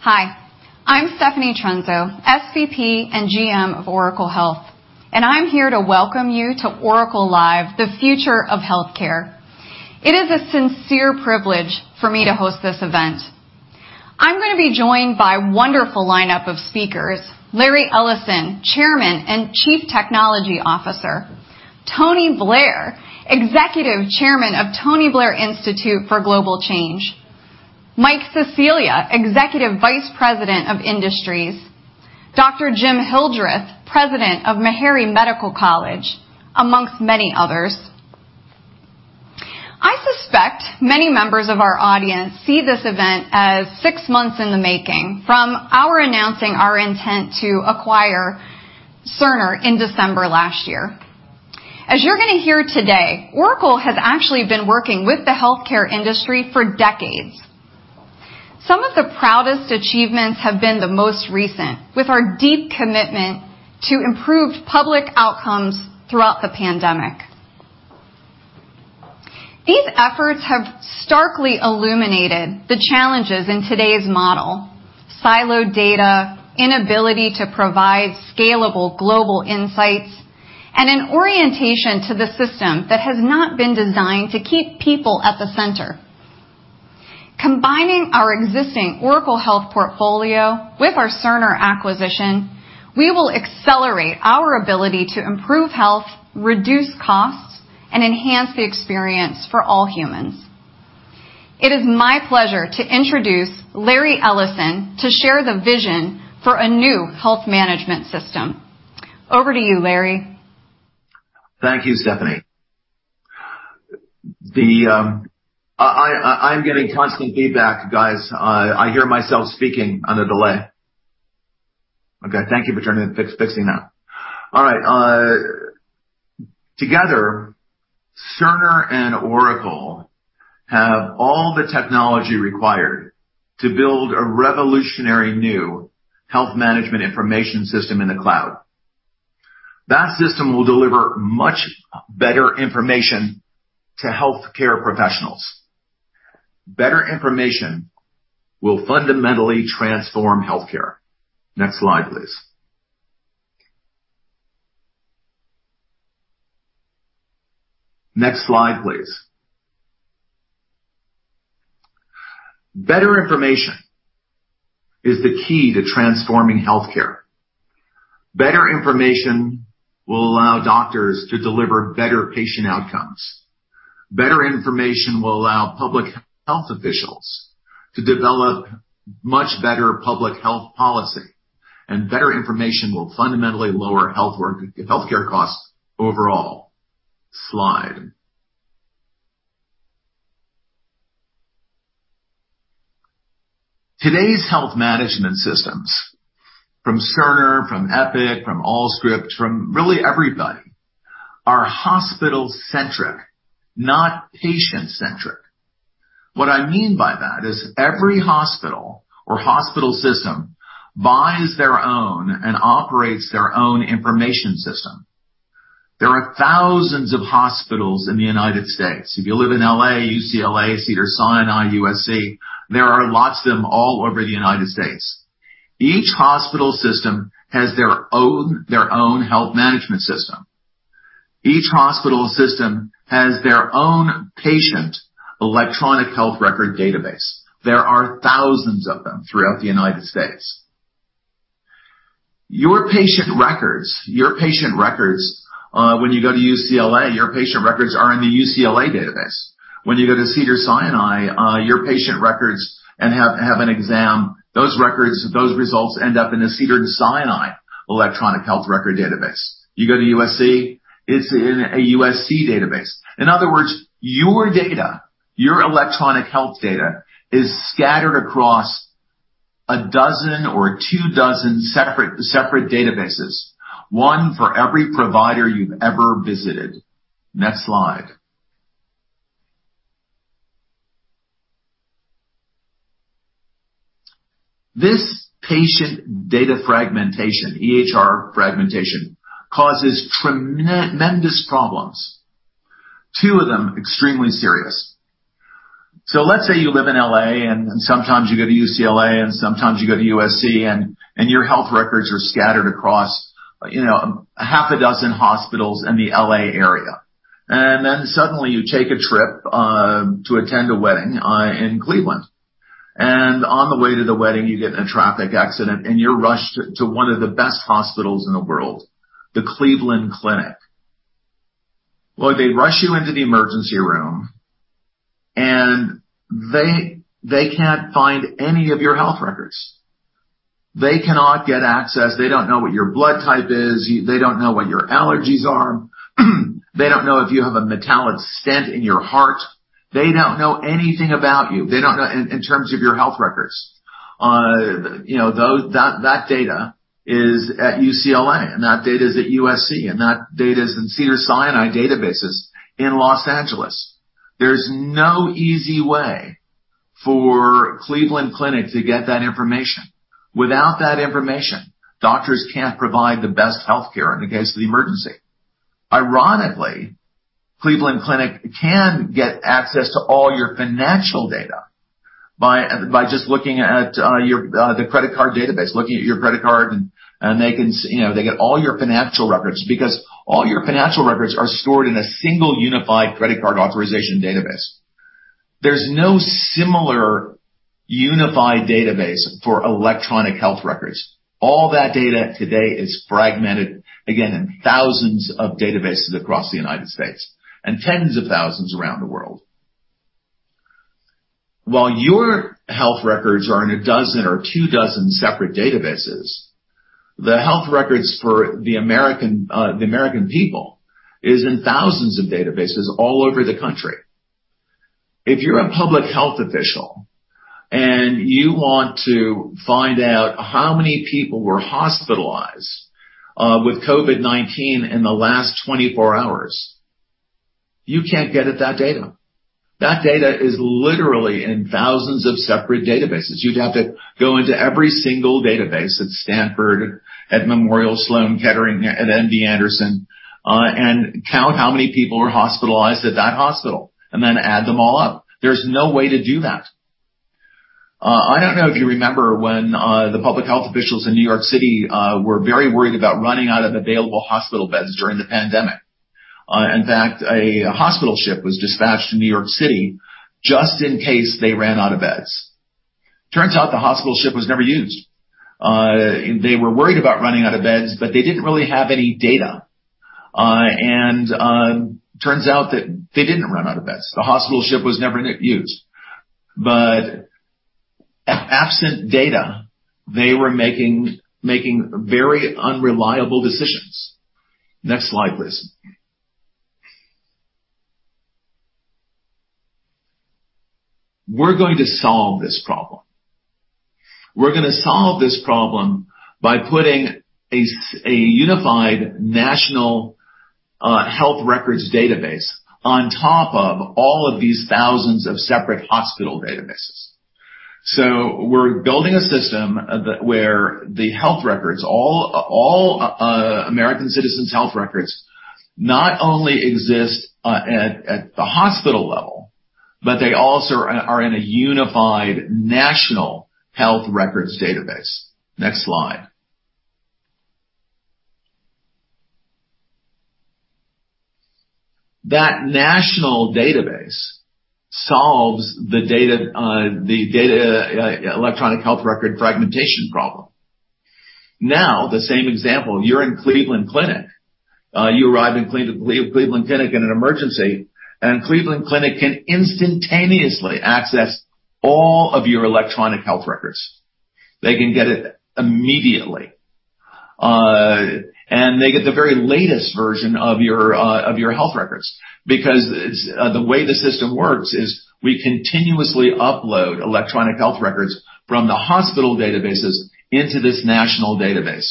Hi, I'm Stephanie Trunzo, SVP and GM of Oracle Health, and I'm here to welcome you to Oracle Live, The Future of Healthcare. It is a sincere privilege for me to host this event. I'm going to be joined by a wonderful lineup of speakers, Larry Ellison, Chairman and Chief Technology Officer, Tony Blair, Executive Chairman of Tony Blair Institute for Global Change, Mike Sicilia, Executive Vice President of Industries, Dr. Jim Hildreth, President of Meharry Medical College, among many others. I suspect many members of our audience see this event as six months in the making from our announcing our intent to acquire Cerner in December last year. As you're going to hear today, Oracle has actually been working with the healthcare industry for decades. Some of the proudest achievements have been the most recent, with our deep commitment to improved public outcomes throughout the pandemic. These efforts have starkly illuminated the challenges in today's model, siloed data, inability to provide scalable global insights, and an orientation to the system that has not been designed to keep people at the center. Combining our existing Oracle Health portfolio with our Cerner acquisition, we will accelerate our ability to improve health, reduce costs, and enhance the experience for all humans. It is my pleasure to introduce Larry Ellison to share the vision for a new health management system. Over to you, Larry. Thank you, Stephanie. I'm getting constant feedback, guys. I hear myself speaking on a delay. Okay, thank you for trying to fix that. All right. Together, Cerner and Oracle have all the technology required to build a revolutionary new health management information system in the cloud. That system will deliver much better information to healthcare professionals. Better information will fundamentally transform healthcare. Next slide, please. Next slide, please. Better information is the key to transforming healthcare. Better information will allow doctors to deliver better patient outcomes. Better information will allow public health officials to develop much better public health policy. Better information will fundamentally lower healthcare costs overall. Slide. Today's health management systems from Cerner, from Epic, from Allscripts, from really everybody, are hospital-centric, not patient-centric. What I mean by that is every hospital or hospital system buys their own and operates their own information system. There are thousands of hospitals in the United States. If you live in L.A., UCLA, Cedars-Sinai, USC, there are lots of them all over the United States. Each hospital system has their own health management system. Each hospital system has their own patient electronic health record database. There are thousands of them throughout the United States. Your patient records, when you go to UCLA, your patient records are in the UCLA database. When you go to Cedars-Sinai, your patient records and have an exam, those records, those results end up in a Cedars-Sinai electronic health record database. You go to USC, it's in a USC database. In other words, your data, your electronic health data is scattered across a dozen or two dozen separate databases, one for every provider you've ever visited. Next slide. This patient data fragmentation, EHR fragmentation, causes tremendous problems, two of them extremely serious. Let's say you live in L.A. and sometimes you go to UCLA and sometimes you go to USC, and your health records are scattered across, you know, half a dozen hospitals in the L.A. area. Suddenly you take a trip to attend a wedding in Cleveland. On the way to the wedding, you get in a traffic accident, and you're rushed to one of the best hospitals in the world, the Cleveland Clinic. Well, they rush you into the emergency room and they can't find any of your health records. They cannot get access. They don't know what your blood type is. They don't know what your allergies are. They don't know if you have a metallic stent in your heart. They don't know anything about you in terms of your health records. You know, that data is at UCLA, and that data is at USC, and that data is in Cedars-Sinai databases in Los Angeles. There's no easy way for Cleveland Clinic to get that information. Without that information, doctors can't provide the best healthcare in the case of the emergency. Ironically, Cleveland Clinic can get access to all your financial data by just looking at your credit card database, looking at your credit card, and you know, they get all your financial records because all your financial records are stored in a single unified credit card authorization database. There's no similar unified database for electronic health records. All that data today is fragmented, again, in thousands of databases across the United States and tens of thousands around the world. While your health records are in 12 or 24 separate databases, the health records for the American people is in thousands of databases all over the country. If you're a public health official and you want to find out how many people were hospitalized, with COVID-19 in the last 24 hours, you can't get at that data. That data is literally in thousands of separate databases. You'd have to go into every single database at Stanford, at Memorial Sloan Kettering, at MD Anderson, and count how many people were hospitalized at that hospital and then add them all up. There's no way to do that. I don't know if you remember when the public health officials in New York City were very worried about running out of available hospital beds during the pandemic. In fact, a hospital ship was dispatched to New York City just in case they ran out of beds. Turns out the hospital ship was never used. They were worried about running out of beds, but they didn't really have any data. Turns out that they didn't run out of beds. The hospital ship was never used. Absent data, they were making very unreliable decisions. Next slide, please. We're going to solve this problem. We're gonna solve this problem by putting a unified national health records database on top of all of these thousands of separate hospital databases. We're building a system where the health records, all American citizens' health records not only exist at the hospital level, but they also are in a unified national health records database. Next slide. That national database solves the electronic health record fragmentation problem. Now, the same example, you're in Cleveland Clinic, you arrive in Cleveland Clinic in an emergency, and Cleveland Clinic can instantaneously access all of your electronic health records. They can get it immediately. And they get the very latest version of your health records because the way the system works is we continuously upload electronic health records from the hospital databases into this national database.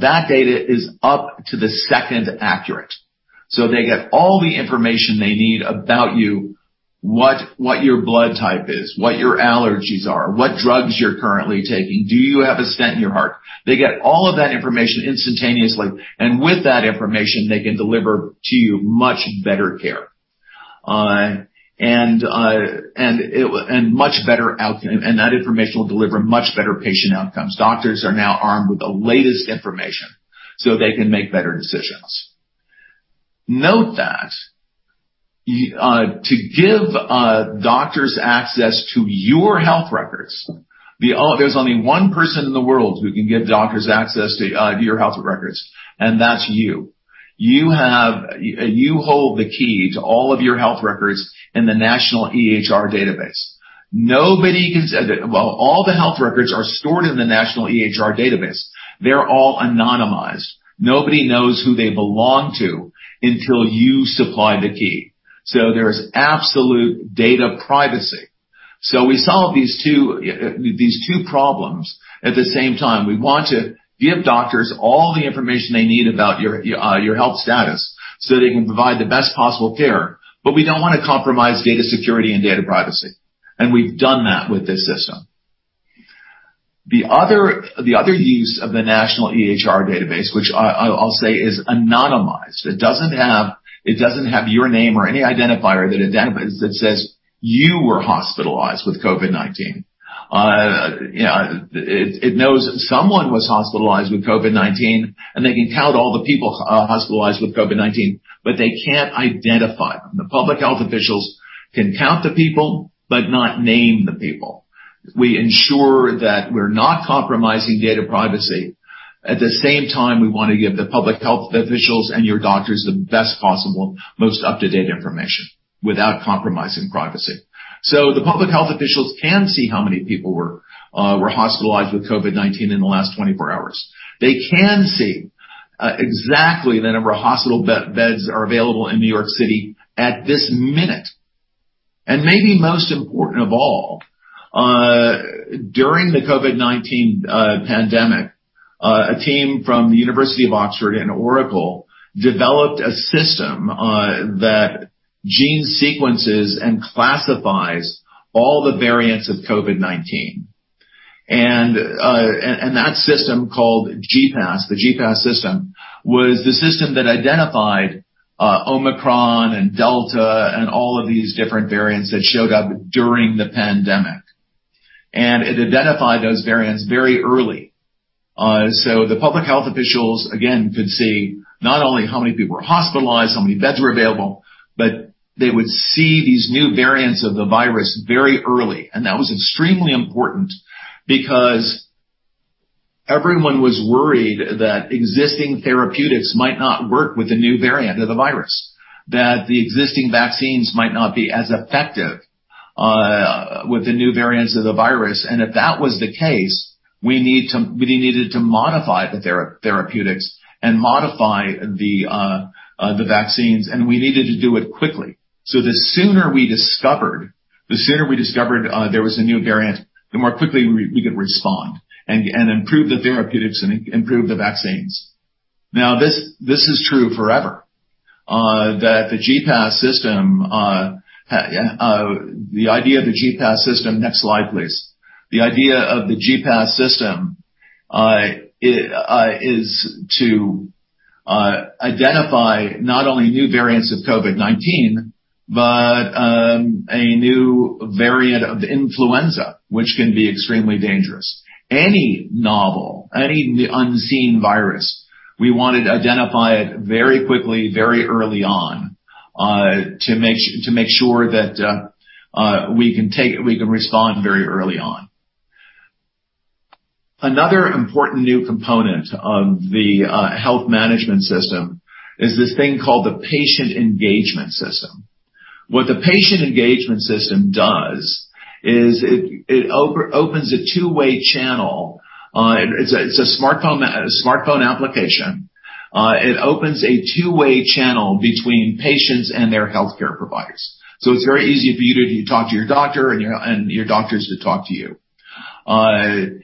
That data is up to the second accurate. They get all the information they need about you, what your blood type is, what your allergies are, what drugs you're currently taking. Do you have a stent in your heart? They get all of that information instantaneously, and with that information, they can deliver to you much better care. That information will deliver much better patient outcomes. Doctors are now armed with the latest information, so they can make better decisions. Note that to give doctors access to your health records, there's only one person in the world who can give doctors access to your health records, and that's you. You hold the key to all of your health records in the national EHR database. While all the health records are stored in the national EHR database, they're all anonymized. Nobody knows who they belong to until you supply the key. There is absolute data privacy. We solve these two problems at the same time. We want to give doctors all the information they need about your health status, so they can provide the best possible care, but we don't want to compromise data security and data privacy. We've done that with this system. The other use of the national EHR database, which I'll say is anonymized. It doesn't have your name or any identifier that says you were hospitalized with COVID-19. You know, it knows someone was hospitalized with COVID-19, and they can count all the people hospitalized with COVID-19, but they can't identify them. The public health officials can count the people but not name the people. We ensure that we're not compromising data privacy. At the same time, we want to give the public health officials and your doctors the best possible, most up-to-date information without compromising privacy. The public health officials can see how many people were hospitalized with COVID-19 in the last 24 hours. They can see exactly the number of hospital beds are available in New York City at this minute. Maybe most important of all, during the COVID-19 pandemic, a team from the University of Oxford and Oracle developed a system that gene sequences and classifies all the variants of COVID-19. That system called GPAS, the GPAS system, was the system that identified Omicron and Delta and all of these different variants that showed up during the pandemic. It identified those variants very early. The public health officials, again, could see not only how many people were hospitalized, how many beds were available, but they would see these new variants of the virus very early. That was extremely important because everyone was worried that existing therapeutics might not work with the new variant of the virus, that the existing vaccines might not be as effective with the new variants of the virus. If that was the case, we needed to modify the therapeutics and modify the vaccines, and we needed to do it quickly. The sooner we discovered there was a new variant, the more quickly we could respond and improve the therapeutics and improve the vaccines. Now, this is true forever that the GPAS system, the idea of the GPAS system. Next slide, please. The idea of the GPAS system is to identify not only new variants of COVID-19, but a new variant of the influenza, which can be extremely dangerous. Any novel unseen virus, we want to identify it very quickly, very early on, to make sure that we can respond very early on. Another important new component of the health management system is this thing called the patient engagement system. What the patient engagement system does is it opens a two-way channel. It's a smartphone application. It opens a two-way channel between patients and their healthcare providers. It's very easy for you to talk to your doctor and your doctors to talk to you. This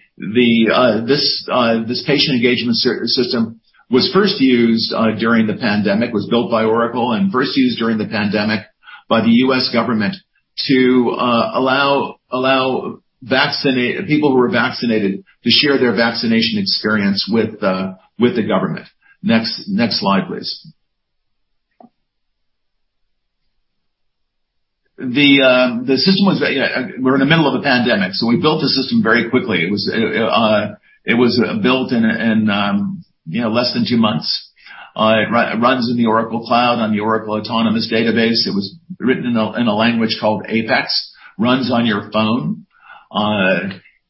patient engagement system was first used during the pandemic. Was built by Oracle and first used during the pandemic by the U.S. government to allow people who are vaccinated to share their vaccination experience with the government. Next slide, please. We're in the middle of a pandemic, so we built the system very quickly. It was built in, you know, less than two months. It runs in the Oracle Cloud, on the Oracle Autonomous Database. It was written in a language called APEX, runs on your phone.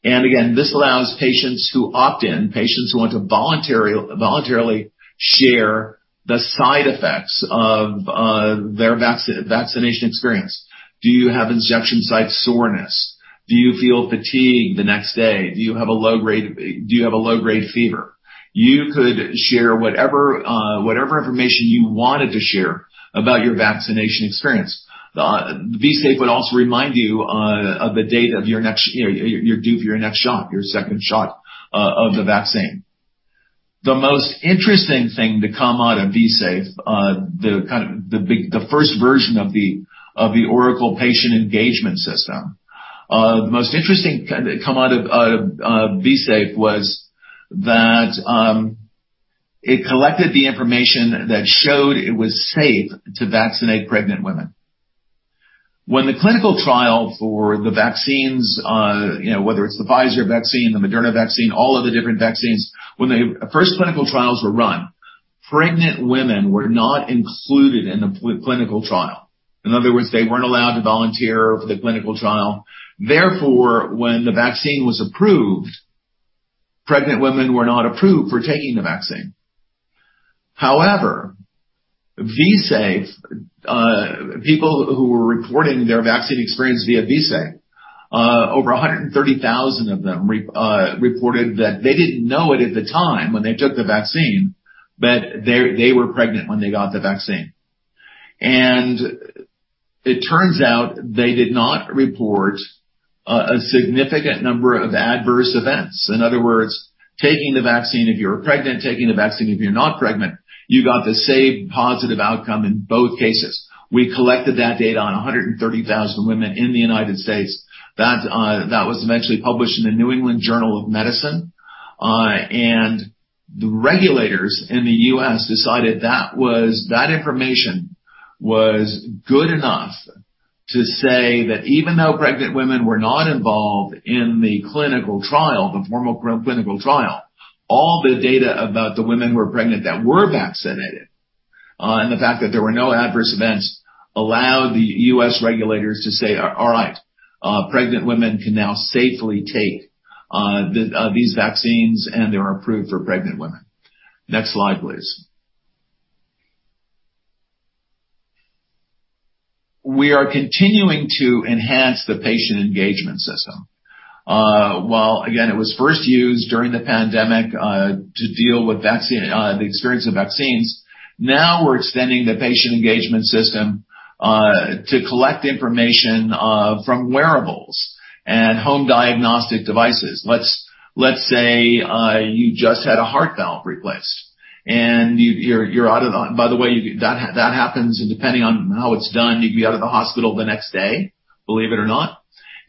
And again, this allows patients who opt in, patients who want to voluntarily share the side effects of their vaccination experience. Do you have injection site soreness? Do you feel fatigue the next day? Do you have a low-grade fever? You could share whatever information you wanted to share about your vaccination experience. V-safe would also remind you of the date of your next, you know, you're due for your next shot, your second shot of the vaccine. The most interesting thing to come out of V-safe, the kind of the big. The first version of the Oracle patient engagement system. The most interesting to come out of V-safe was that it collected the information that showed it was safe to vaccinate pregnant women. When the clinical trial for the vaccines, you know, whether it's the Pfizer vaccine, the Moderna vaccine, all of the different vaccines. When the first clinical trials were run, pregnant women were not included in the clinical trial. In other words, they weren't allowed to volunteer for the clinical trial. Therefore, when the vaccine was approved, pregnant women were not approved for taking the vaccine. However, V-safe, people who were reporting their vaccine experience via V-safe, over 130,000 of them reported that they didn't know it at the time when they took the vaccine, but they were pregnant when they got the vaccine. It turns out they did not report a significant number of adverse events. In other words, taking the vaccine if you were pregnant, taking the vaccine if you're not pregnant, you got the same positive outcome in both cases. We collected that data on 130,000 women in the United States. That was eventually published in the New England Journal of Medicine. The regulators in the U.S. decided that information was good enough to say that even though pregnant women were not involved in the clinical trial, the formal clinical trial, all the data about the women who were pregnant that were vaccinated, and the fact that there were no adverse events, allowed the U.S. regulators to say, "All right, pregnant women can now safely take these vaccines, and they are approved for pregnant women." Next slide, please. We are continuing to enhance the patient engagement system. While again, it was first used during the pandemic to deal with vaccine the experience of vaccines. Now we're extending the patient engagement system to collect information from wearables and home diagnostic devices. Let's say you just had a heart valve replaced. You're out of the hospital the next day, believe it or not. By the way, that happens, and depending on how it's done, you can be out of the hospital the next day, believe it or not.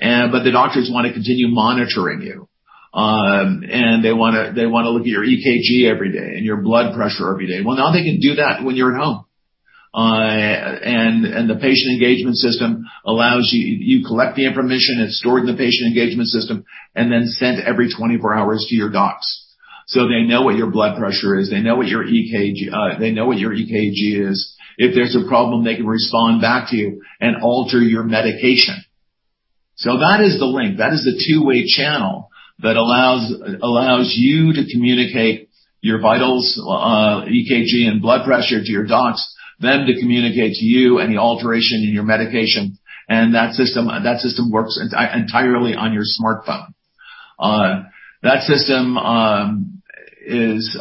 But the doctors wanna continue monitoring you. They wanna look at your EKG every day and your blood pressure every day. Well, now they can do that when you're at home. The patient engagement system allows you to collect the information, it's stored in the patient engagement system, and then sent every 24 hours to your docs. They know what your blood pressure is, they know what your EKG is. If there's a problem, they can respond back to you and alter your medication. That is the link. That is the two-way channel that allows you to communicate your vitals, EKG and blood pressure to your docs, them to communicate to you any alteration in your medication. That system works entirely on your smartphone. That system is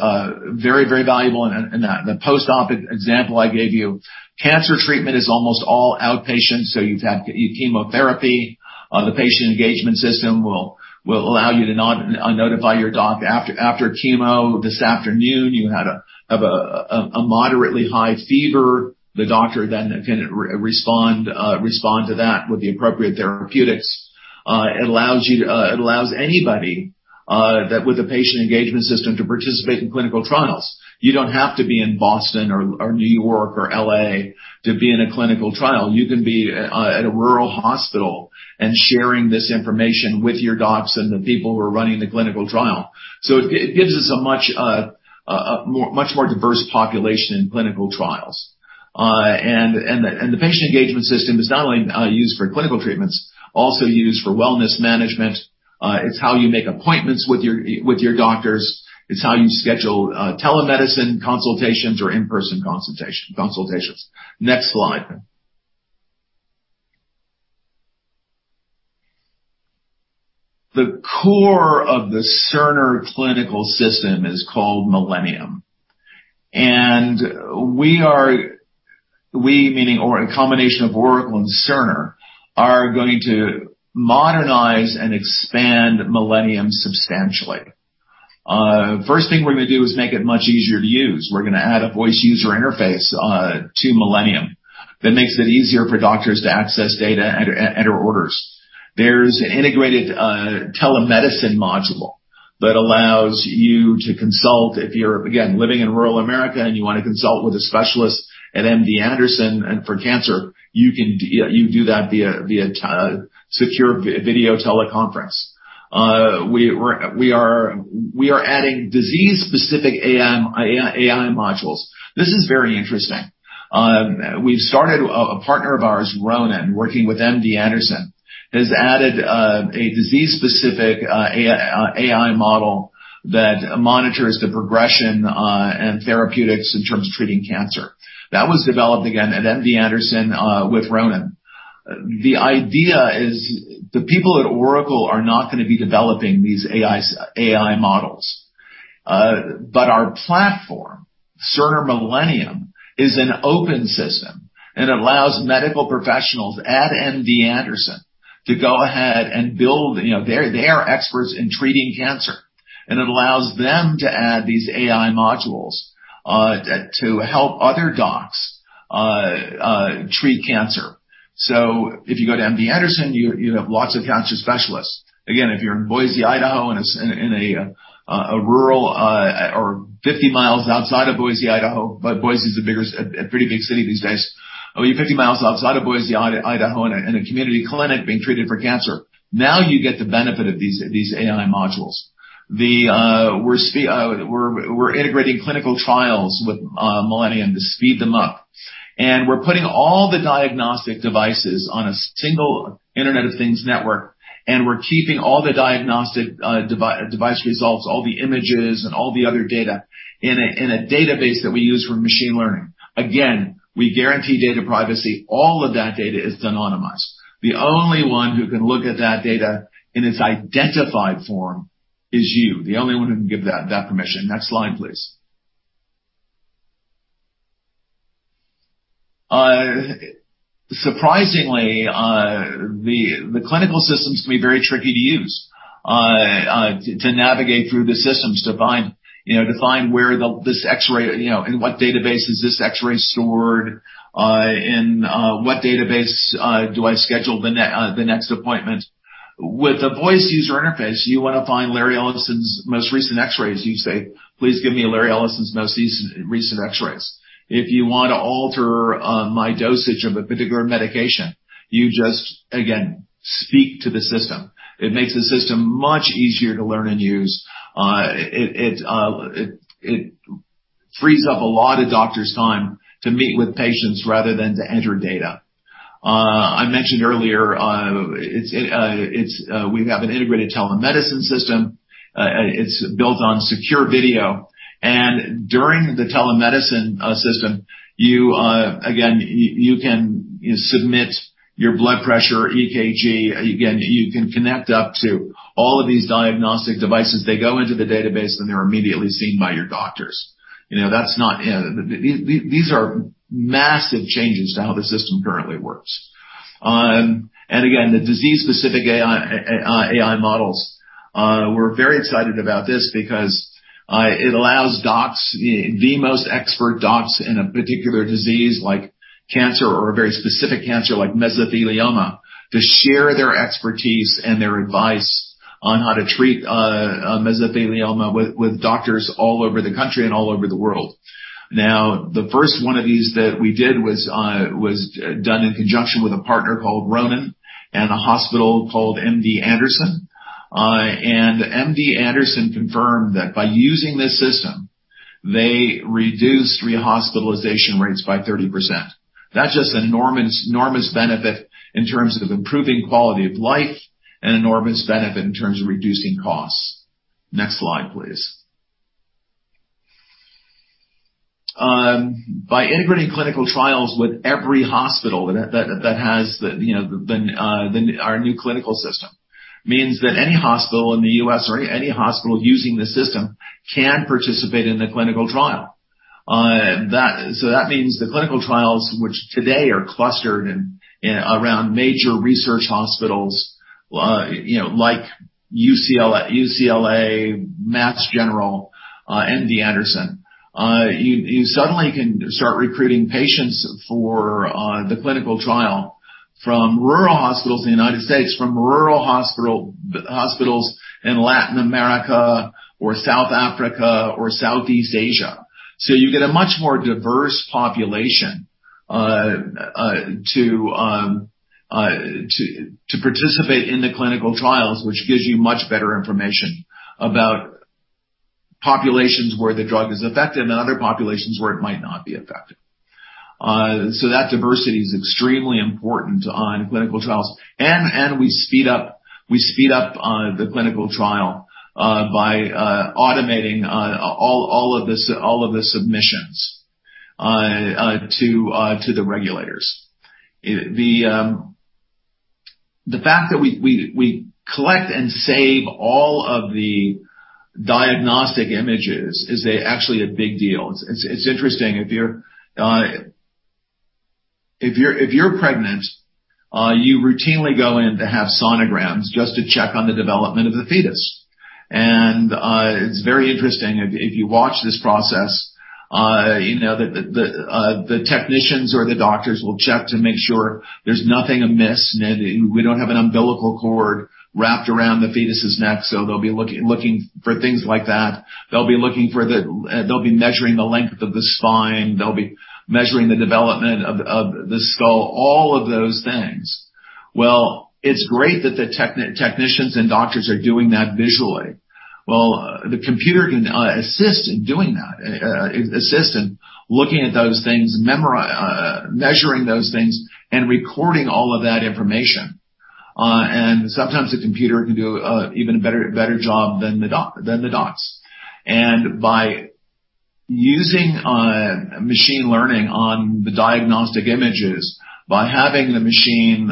very valuable in the post-op example I gave you. Cancer treatment is almost all outpatient, so you've had your chemotherapy. The patient engagement system will allow you to notify your doc after chemo this afternoon, you had a moderately high fever. The doctor then can respond to that with the appropriate therapeutics. It allows anybody with a patient engagement system to participate in clinical trials. You don't have to be in Boston or New York or L.A. to be in a clinical trial. You can be at a rural hospital and sharing this information with your docs and the people who are running the clinical trial. It gives us a much more diverse population in clinical trials. The patient engagement system is not only used for clinical treatments, also used for wellness management. It's how you make appointments with your doctors. It's how you schedule telemedicine consultations or in-person consultations. Next slide. The core of the Cerner clinical system is called Millennium. We, meaning a combination of Oracle and Cerner, are going to modernize and expand Millennium substantially. First thing we're gonna do is make it much easier to use. We're gonna add a voice user interface to Millennium that makes it easier for doctors to access data and enter orders. There's an integrated telemedicine module that allows you to consult if you're, again, living in rural America and you wanna consult with a specialist at MD Anderson and for cancer, you can do that via secure video teleconference. We are adding disease-specific AI modules. This is very interesting. We have a partner of ours, Project Ronin, working with MD Anderson, has added a disease-specific AI model that monitors the progression and therapeutics in terms of treating cancer. That was developed again at MD Anderson with Project Ronin. The idea is the people at Oracle are not gonna be developing these AI models. Our platform, Cerner Millennium, is an open system, and it allows medical professionals at MD Anderson to go ahead and build, you know, they are experts in treating cancer, and it allows them to add these AI modules to help other docs treat cancer. If you go to MD Anderson, you have lots of cancer specialists. Again, if you're in Boise, Idaho, and it's in a rural or 50 miles outside of Boise, Idaho, but Boise is the biggest a pretty big city these days. Or you're 50 miles outside of Boise, Idaho, in a community clinic being treated for cancer. Now you get the benefit of these AI modules. We're integrating clinical trials with Millennium to speed them up. We're putting all the diagnostic devices on a single Internet of Things network, and we're keeping all the diagnostic device results, all the images and all the other data in a database that we use for machine learning. Again, we guarantee data privacy. All of that data is anonymized. The only one who can look at that data in its identified form is you. The only one who can give that permission. Next slide, please. Surprisingly, the clinical systems can be very tricky to use to navigate through the systems to find, you know, to find where this X-ray, you know, in what database is this X-ray stored, in what database do I schedule the next appointment. With a voice user interface, you wanna find Larry Ellison's most recent X-rays. You say, "Please give me Larry Ellison's most recent X-rays." If you want to alter my dosage of a particular medication, you just again speak to the system. It makes the system much easier to learn and use. It frees up a lot of doctors' time to meet with patients rather than to enter data. I mentioned earlier. We have an integrated telemedicine system. It's built on secure video. During the telemedicine system, you again can submit your blood pressure EKG. Again, you can connect up to all of these diagnostic devices. They go into the database, and they're immediately seen by your doctors. You know, that's not it. These are massive changes to how the system currently works. Again, the disease-specific AI models, we're very excited about this because it allows docs, the most expert docs in a particular disease like cancer or a very specific cancer like mesothelioma, to share their expertise and their advice on how to treat mesothelioma with doctors all over the country and all over the world. Now, the first one of these that we did was done in conjunction with a partner called Ronin and a hospital called MD Anderson. MD Anderson confirmed that by using this system, they reduced rehospitalization rates by 30%. That's just an enormous benefit in terms of improving quality of life, and an enormous benefit in terms of reducing costs. Next slide, please. By integrating clinical trials with every hospital that has the, you know, the our new clinical system, means that any hospital in the US or any hospital using the system can participate in the clinical trial. That means the clinical trials, which today are clustered in around major research hospitals, you know, like UCLA, Mass General, MD Anderson. You suddenly can start recruiting patients for the clinical trial from rural hospitals in the United States, from rural hospitals in Latin America or South Africa or Southeast Asia. You get a much more diverse population to participate in the clinical trials, which gives you much better information about populations where the drug is effective and other populations where it might not be effective. That diversity is extremely important on clinical trials. We speed up the clinical trial by automating all of the submissions to the regulators. The fact that we collect and save all of the diagnostic images is actually a big deal. It's interesting, if you're pregnant, you routinely go in to have sonograms just to check on the development of the fetus. It's very interesting if you watch this process, you know, the technicians or the doctors will check to make sure there's nothing amiss. We don't have an umbilical cord wrapped around the fetus' neck. They'll be looking for things like that. They'll be looking for the. They'll be measuring the length of the spine. They'll be measuring the development of the skull, all of those things. Well, it's great that the technicians and doctors are doing that visually. Well, the computer can assist in doing that, assist in looking at those things, measuring those things and recording all of that information. And sometimes the computer can do even a better job than the docs. By using machine learning on the diagnostic images, by having the machine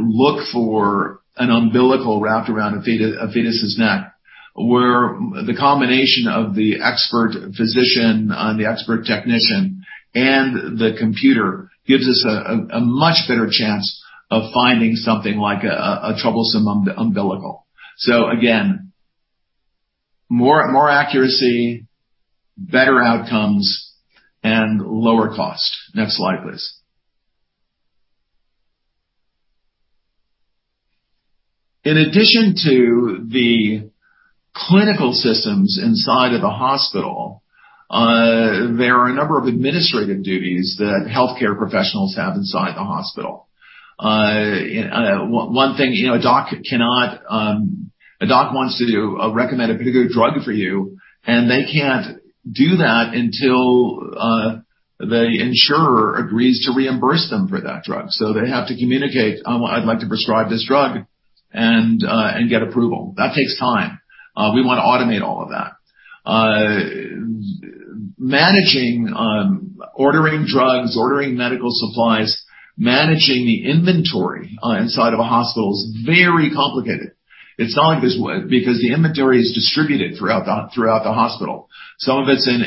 look for an umbilical wrapped around a fetus's neck, where the combination of the expert physician, the expert technician, and the computer gives us a much better chance of finding something like a troublesome umbilical. Again, more accuracy, better outcomes, and lower cost. Next slide, please. In addition to the clinical systems inside of a hospital, there are a number of administrative duties that healthcare professionals have inside the hospital. One thing, you know, a doc wants to recommend a particular drug for you, and they can't do that until the insurer agrees to reimburse them for that drug. They have to communicate, "I'd like to prescribe this drug," and get approval. That takes time. We wanna automate all of that. Managing, ordering drugs, ordering medical supplies, managing the inventory inside of a hospital is very complicated. Because the inventory is distributed throughout the hospital. Some of it's in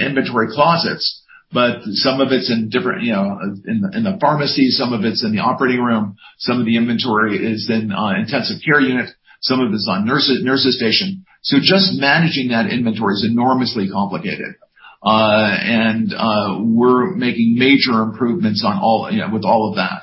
inventory closets, but some of it's in different, you know, in the pharmacy, some of it's in the operating room, some of the inventory is in intensive care units, some of it's on nurses station. Just managing that inventory is enormously complicated. We're making major improvements on all, you know, with all of that.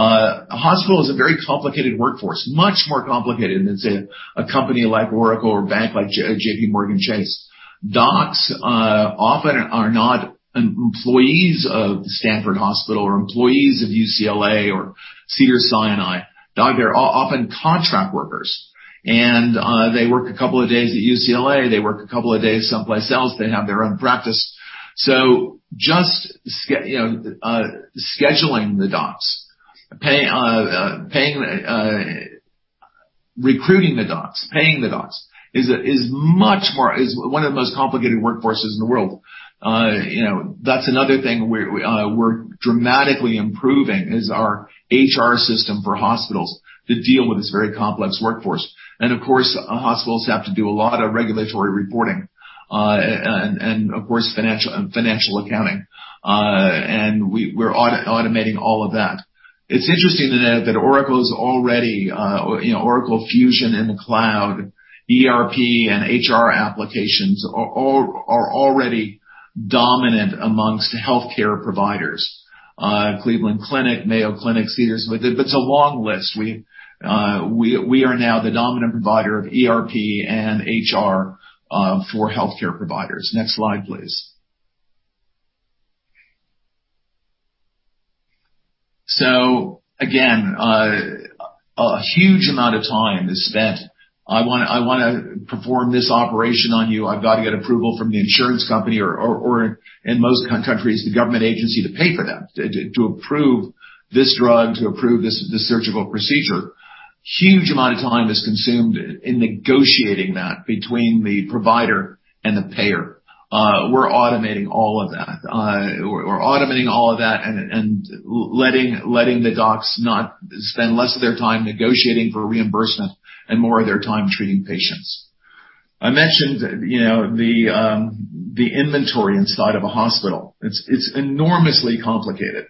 A hospital is a very complicated workforce, much more complicated than, say, a company like Oracle or a bank like JPMorgan Chase. Docs often are not employees of Stanford Hospital or employees of UCLA or Cedars-Sinai. They're often contract workers, and they work a couple of days at UCLA, they work a couple of days someplace else. They have their own practice. Just scheduling the docs, recruiting the docs, paying the docs is one of the most complicated workforces in the world. You know, that's another thing we're dramatically improving is our HR system for hospitals to deal with this very complex workforce. Of course, hospitals have to do a lot of regulatory reporting, and of course, financial accounting. We're automating all of that. It's interesting to note that Oracle is already, you know, Oracle Fusion in the cloud, ERP and HR applications are already dominant amongst healthcare providers, Cleveland Clinic, Mayo Clinic, Cedars-Sinai. It's a long list. We are now the dominant provider of ERP and HR for healthcare providers. Next slide, please. Again, a huge amount of time is spent. I wanna perform this operation on you. I've got to get approval from the insurance company or in most countries, the government agency to pay for that, to approve this drug, to approve this surgical procedure. Huge amount of time is consumed in negotiating that between the provider and the payer. We're automating all of that. We're automating all of that and letting the docs not spend less of their time negotiating for reimbursement and more of their time treating patients. I mentioned the inventory inside of a hospital. It's enormously complicated.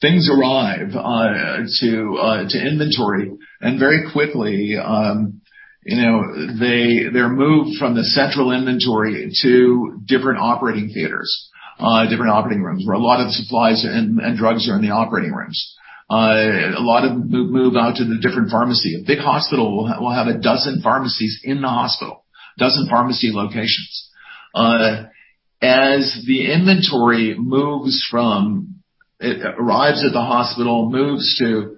Things arrive to inventory, and very quickly, you know, they're moved from the central inventory to different operating theaters, different operating rooms where a lot of the supplies and drugs are in the operating rooms. A lot of them move out to the different pharmacy. A big hospital will have a dozen pharmacies in the hospital, a dozen pharmacy locations. As the inventory moves, it arrives at the hospital, moves to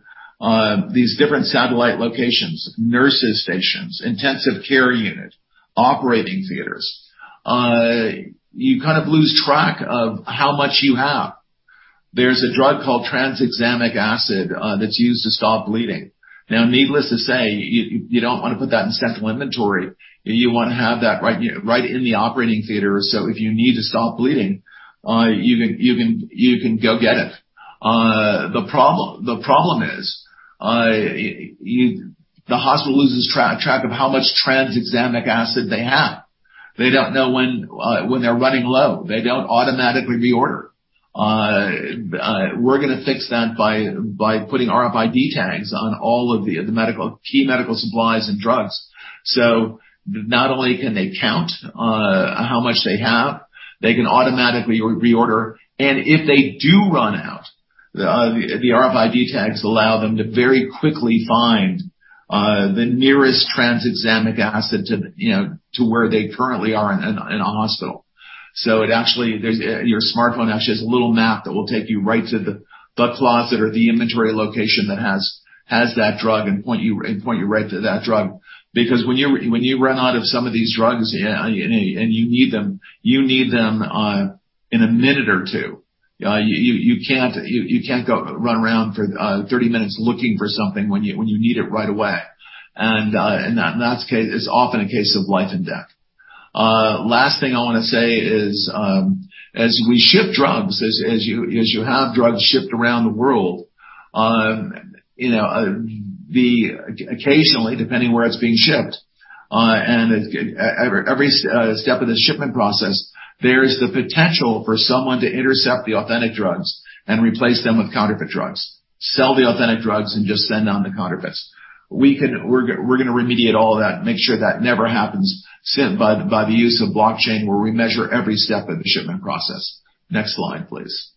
these different satellite locations, nurses stations, intensive care unit, operating theaters, you kind of lose track of how much you have. There's a drug called tranexamic acid that's used to stop bleeding. Now, needless to say, you don't wanna put that in central inventory. You wanna have that right in the operating theater, so if you need to stop bleeding, you can go get it. The problem is, the hospital loses track of how much tranexamic acid they have. They don't know when they're running low. They don't automatically reorder. We're gonna fix that by putting RFID tags on all of the key medical supplies and drugs. So not only can they count how much they have, they can automatically reorder. If they do run out, the RFID tags allow them to very quickly find the nearest tranexamic acid to, you know, to where they currently are in a hospital. There's your smartphone actually has a little map that will take you right to the closet or the inventory location that has that drug and point you right to that drug. Because when you run out of some of these drugs, yeah, and you need them in a minute or 2. You can't go run around for 30 minutes looking for something when you need it right away. It's often a case of life and death. Last thing I wanna say is, as we ship drugs, as you have drugs shipped around the world, you know, occasionally, depending on where it's being shipped, and every step of the shipment process, there is the potential for someone to intercept the authentic drugs and replace them with counterfeit drugs, sell the authentic drugs, and just send down the counterfeits. We're gonna remediate all of that, make sure that never happens so by the use of blockchain, where we measure every step of the shipment process. Next slide, please.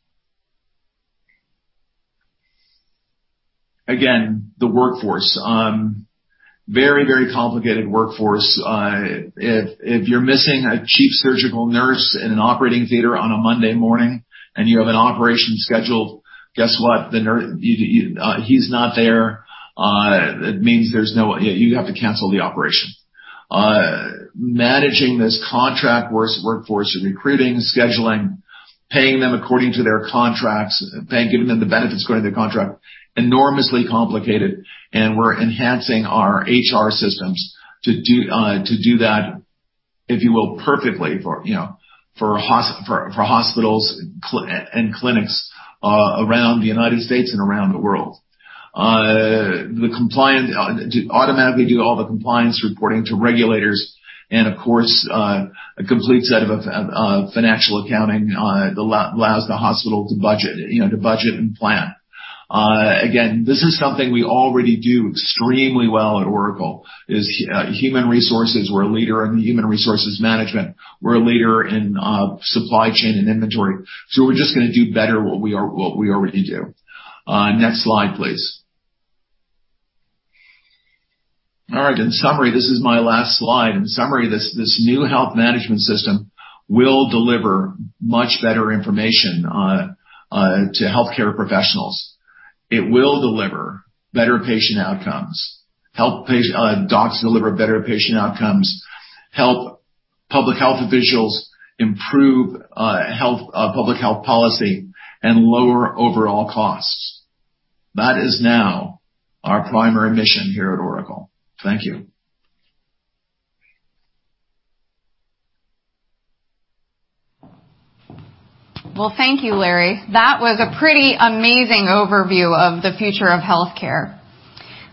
Again, the workforce. Very complicated workforce. If you're missing a chief surgical nurse in an operating theater on a Monday morning, and you have an operation scheduled, guess what? The nurse, he's not there. You have to cancel the operation. Managing this contract workforce, recruiting, scheduling, paying them according to their contracts, paying, giving them the benefits according to their contract, enormously complicated. We're enhancing our HR systems to do that, if you will, perfectly for, you know, for hospitals and clinics around the United States and around the world. To automatically do all the compliance reporting to regulators and, of course, a complete set of financial accounting that allows the hospital to budget, you know, to budget and plan. Again, this is something we already do extremely well at Oracle, is human resources. We're a leader in human resources management. We're a leader in supply chain and inventory. We're just gonna do better what we are, what we already do. Next slide, please. All right, in summary, this is my last slide. In summary, this new health management system will deliver much better information to healthcare professionals. It will deliver better patient outcomes, help docs deliver better patient outcomes, help public health officials improve public health policy, and lower overall costs. That is now our primary mission here at Oracle. Thank you. Well, thank you, Larry. That was a pretty amazing overview of the future of healthcare.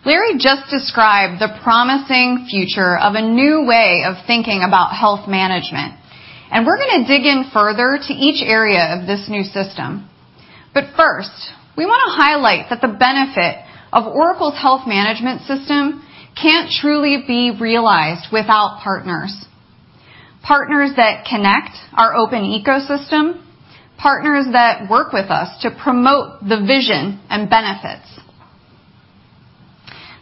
Larry just described the promising future of a new way of thinking about health management, and we're gonna dig in further to each area of this new system. First, we wanna highlight that the benefit of Oracle's health management system can't truly be realized without partners. Partners that connect our open ecosystem, partners that work with us to promote the vision and benefits.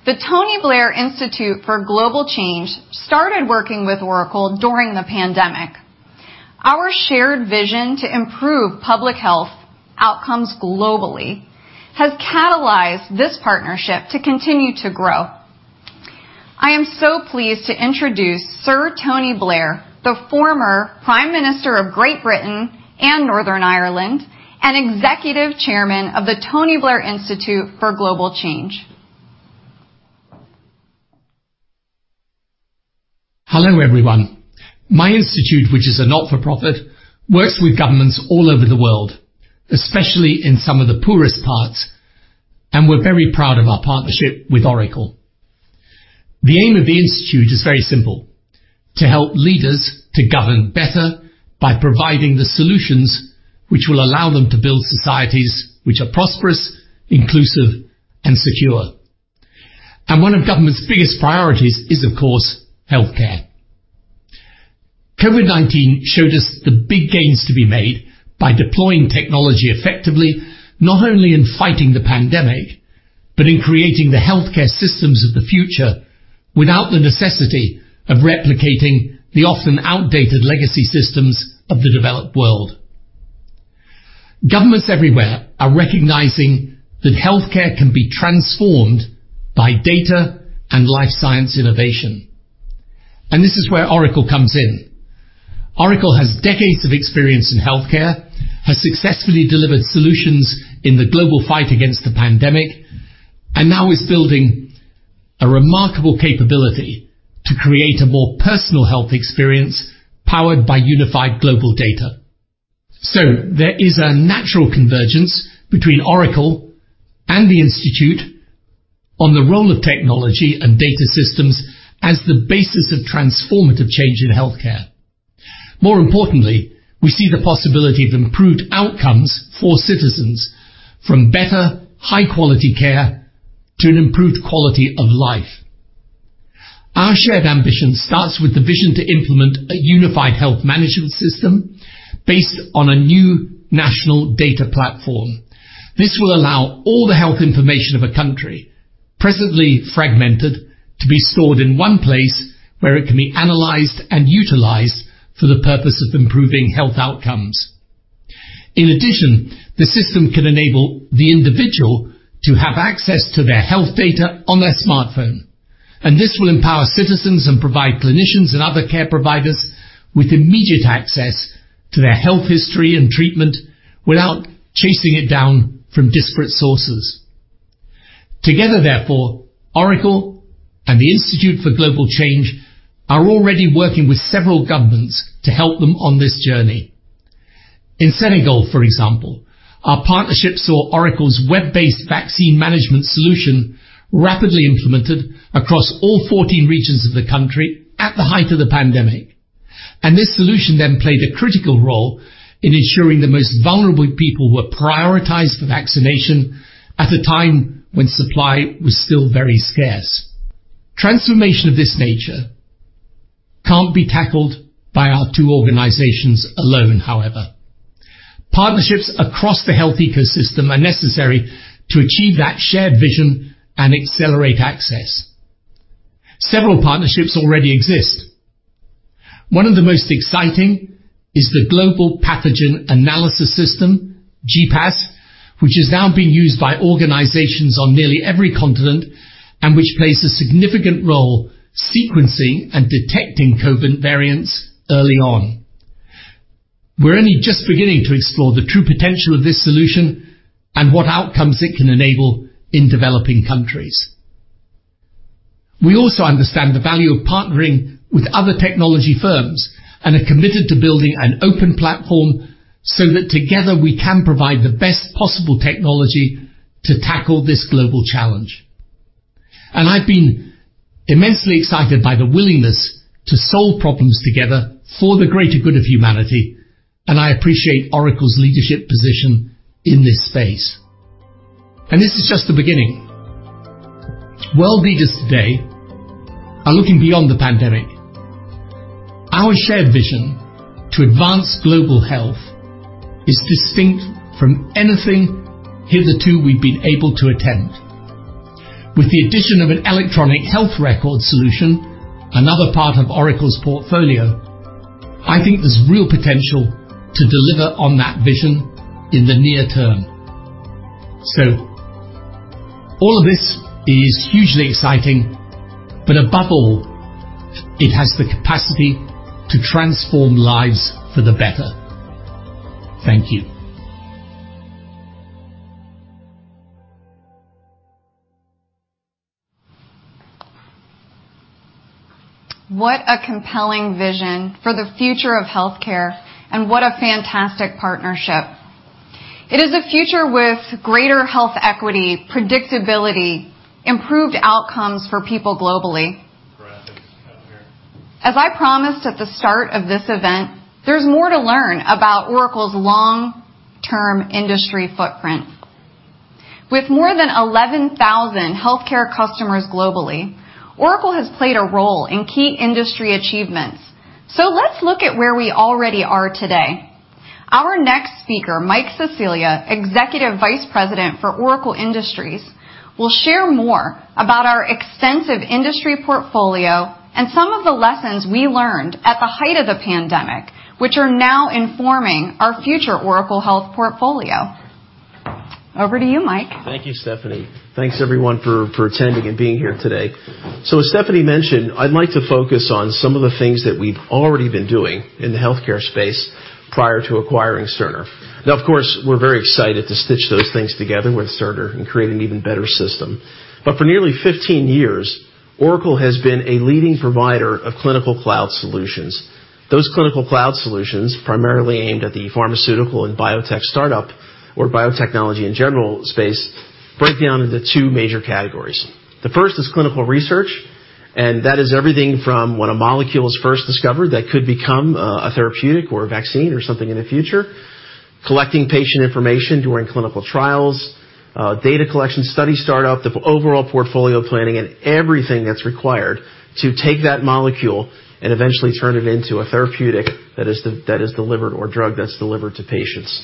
The Tony Blair Institute for Global Change started working with Oracle during the pandemic. Our shared vision to improve public health outcomes globally has catalyzed this partnership to continue to grow. I am so pleased to introduce Sir Tony Blair, the former Prime Minister of Great Britain and Northern Ireland, and Executive Chairman of the Tony Blair Institute for Global Change. Hello, everyone. My institute, which is a not-for-profit, works with governments all over the world, especially in some of the poorest parts, and we're very proud of our partnership with Oracle. The aim of the institute is very simple. To help leaders to govern better by providing the solutions which will allow them to build societies which are prosperous, inclusive, and secure. One of government's biggest priorities is, of course, healthcare. COVID-19 showed us the big gains to be made by deploying technology effectively, not only in fighting the pandemic, but in creating the healthcare systems of the future without the necessity of replicating the often outdated legacy systems of the developed world. Governments everywhere are recognizing that healthcare can be transformed by data and life science innovation. This is where Oracle comes in. Oracle has decades of experience in healthcare, has successfully delivered solutions in the global fight against the pandemic, and now is building a remarkable capability to create a more personal health experience powered by unified global data. There is a natural convergence between Oracle and the Institute on the role of technology and data systems as the basis of transformative change in healthcare. More importantly, we see the possibility of improved outcomes for citizens from better, high-quality care to an improved quality of life. Our shared ambition starts with the vision to implement a unified health management system based on a new national data platform. This will allow all the health information of a country, presently fragmented, to be stored in one place where it can be analyzed and utilized for the purpose of improving health outcomes. In addition, the system can enable the individual to have access to their health data on their smartphone. This will empower citizens and provide clinicians and other care providers with immediate access to their health history and treatment without chasing it down from disparate sources. Together, therefore, Oracle and the Institute for Global Change are already working with several governments to help them on this journey. In Senegal, for example, our partnership saw Oracle's web-based vaccine management solution rapidly implemented across all 14 regions of the country at the height of the pandemic. This solution then played a critical role in ensuring the most vulnerable people were prioritized for vaccination at a time when supply was still very scarce. Transformation of this nature can't be tackled by our two organizations alone, however. Partnerships across the health ecosystem are necessary to achieve that shared vision and accelerate access. Several partnerships already exist. One of the most exciting is the Global Pathogen Analysis System, GPAS, which is now being used by organizations on nearly every continent and which plays a significant role sequencing and detecting COVID variants early on. We're only just beginning to explore the true potential of this solution and what outcomes it can enable in developing countries. We also understand the value of partnering with other technology firms and are committed to building an open platform so that together we can provide the best possible technology to tackle this global challenge. I've been immensely excited by the willingness to solve problems together for the greater good of humanity, and I appreciate Oracle's leadership position in this space. This is just the beginning. World leaders today are looking beyond the pandemic. Our shared vision to advance global health is distinct from anything hitherto we've been able to attempt. With the addition of an electronic health record solution, another part of Oracle's portfolio, I think there's real potential to deliver on that vision in the near term. All of this is hugely exciting, but above all, it has the capacity to transform lives for the better. Thank you. What a compelling vision for the future of healthcare, and what a fantastic partnership. It is a future with greater health equity, predictability, improved outcomes for people globally. As I promised at the start of this event, there's more to learn about Oracle's long-term industry footprint. With more than 11,000 healthcare customers globally, Oracle has played a role in key industry achievements. Let's look at where we already are today. Our next speaker, Mike Sicilia, Executive Vice President for Oracle Industries, will share more about our extensive industry portfolio and some of the lessons we learned at the height of the pandemic, which are now informing our future Oracle Health portfolio. Over to you, Mike. Thank you, Stephanie. Thanks, everyone, for attending and being here today. As Stephanie mentioned, I'd like to focus on some of the things that we've already been doing in the healthcare space prior to acquiring Cerner. Now, of course, we're very excited to stitch those things together with Cerner and create an even better system. For nearly 15 years, Oracle has been a leading provider of clinical cloud solutions. Those clinical cloud solutions, primarily aimed at the pharmaceutical and biotech startup or biotechnology in general space, break down into two major categories. The first is clinical research, and that is everything from when a molecule is first discovered that could become a therapeutic or a vaccine or something in the future, collecting patient information during clinical trials, data collection, study start up, the overall portfolio planning and everything that's required to take that molecule and eventually turn it into a therapeutic that is delivered or drug that's delivered to patients.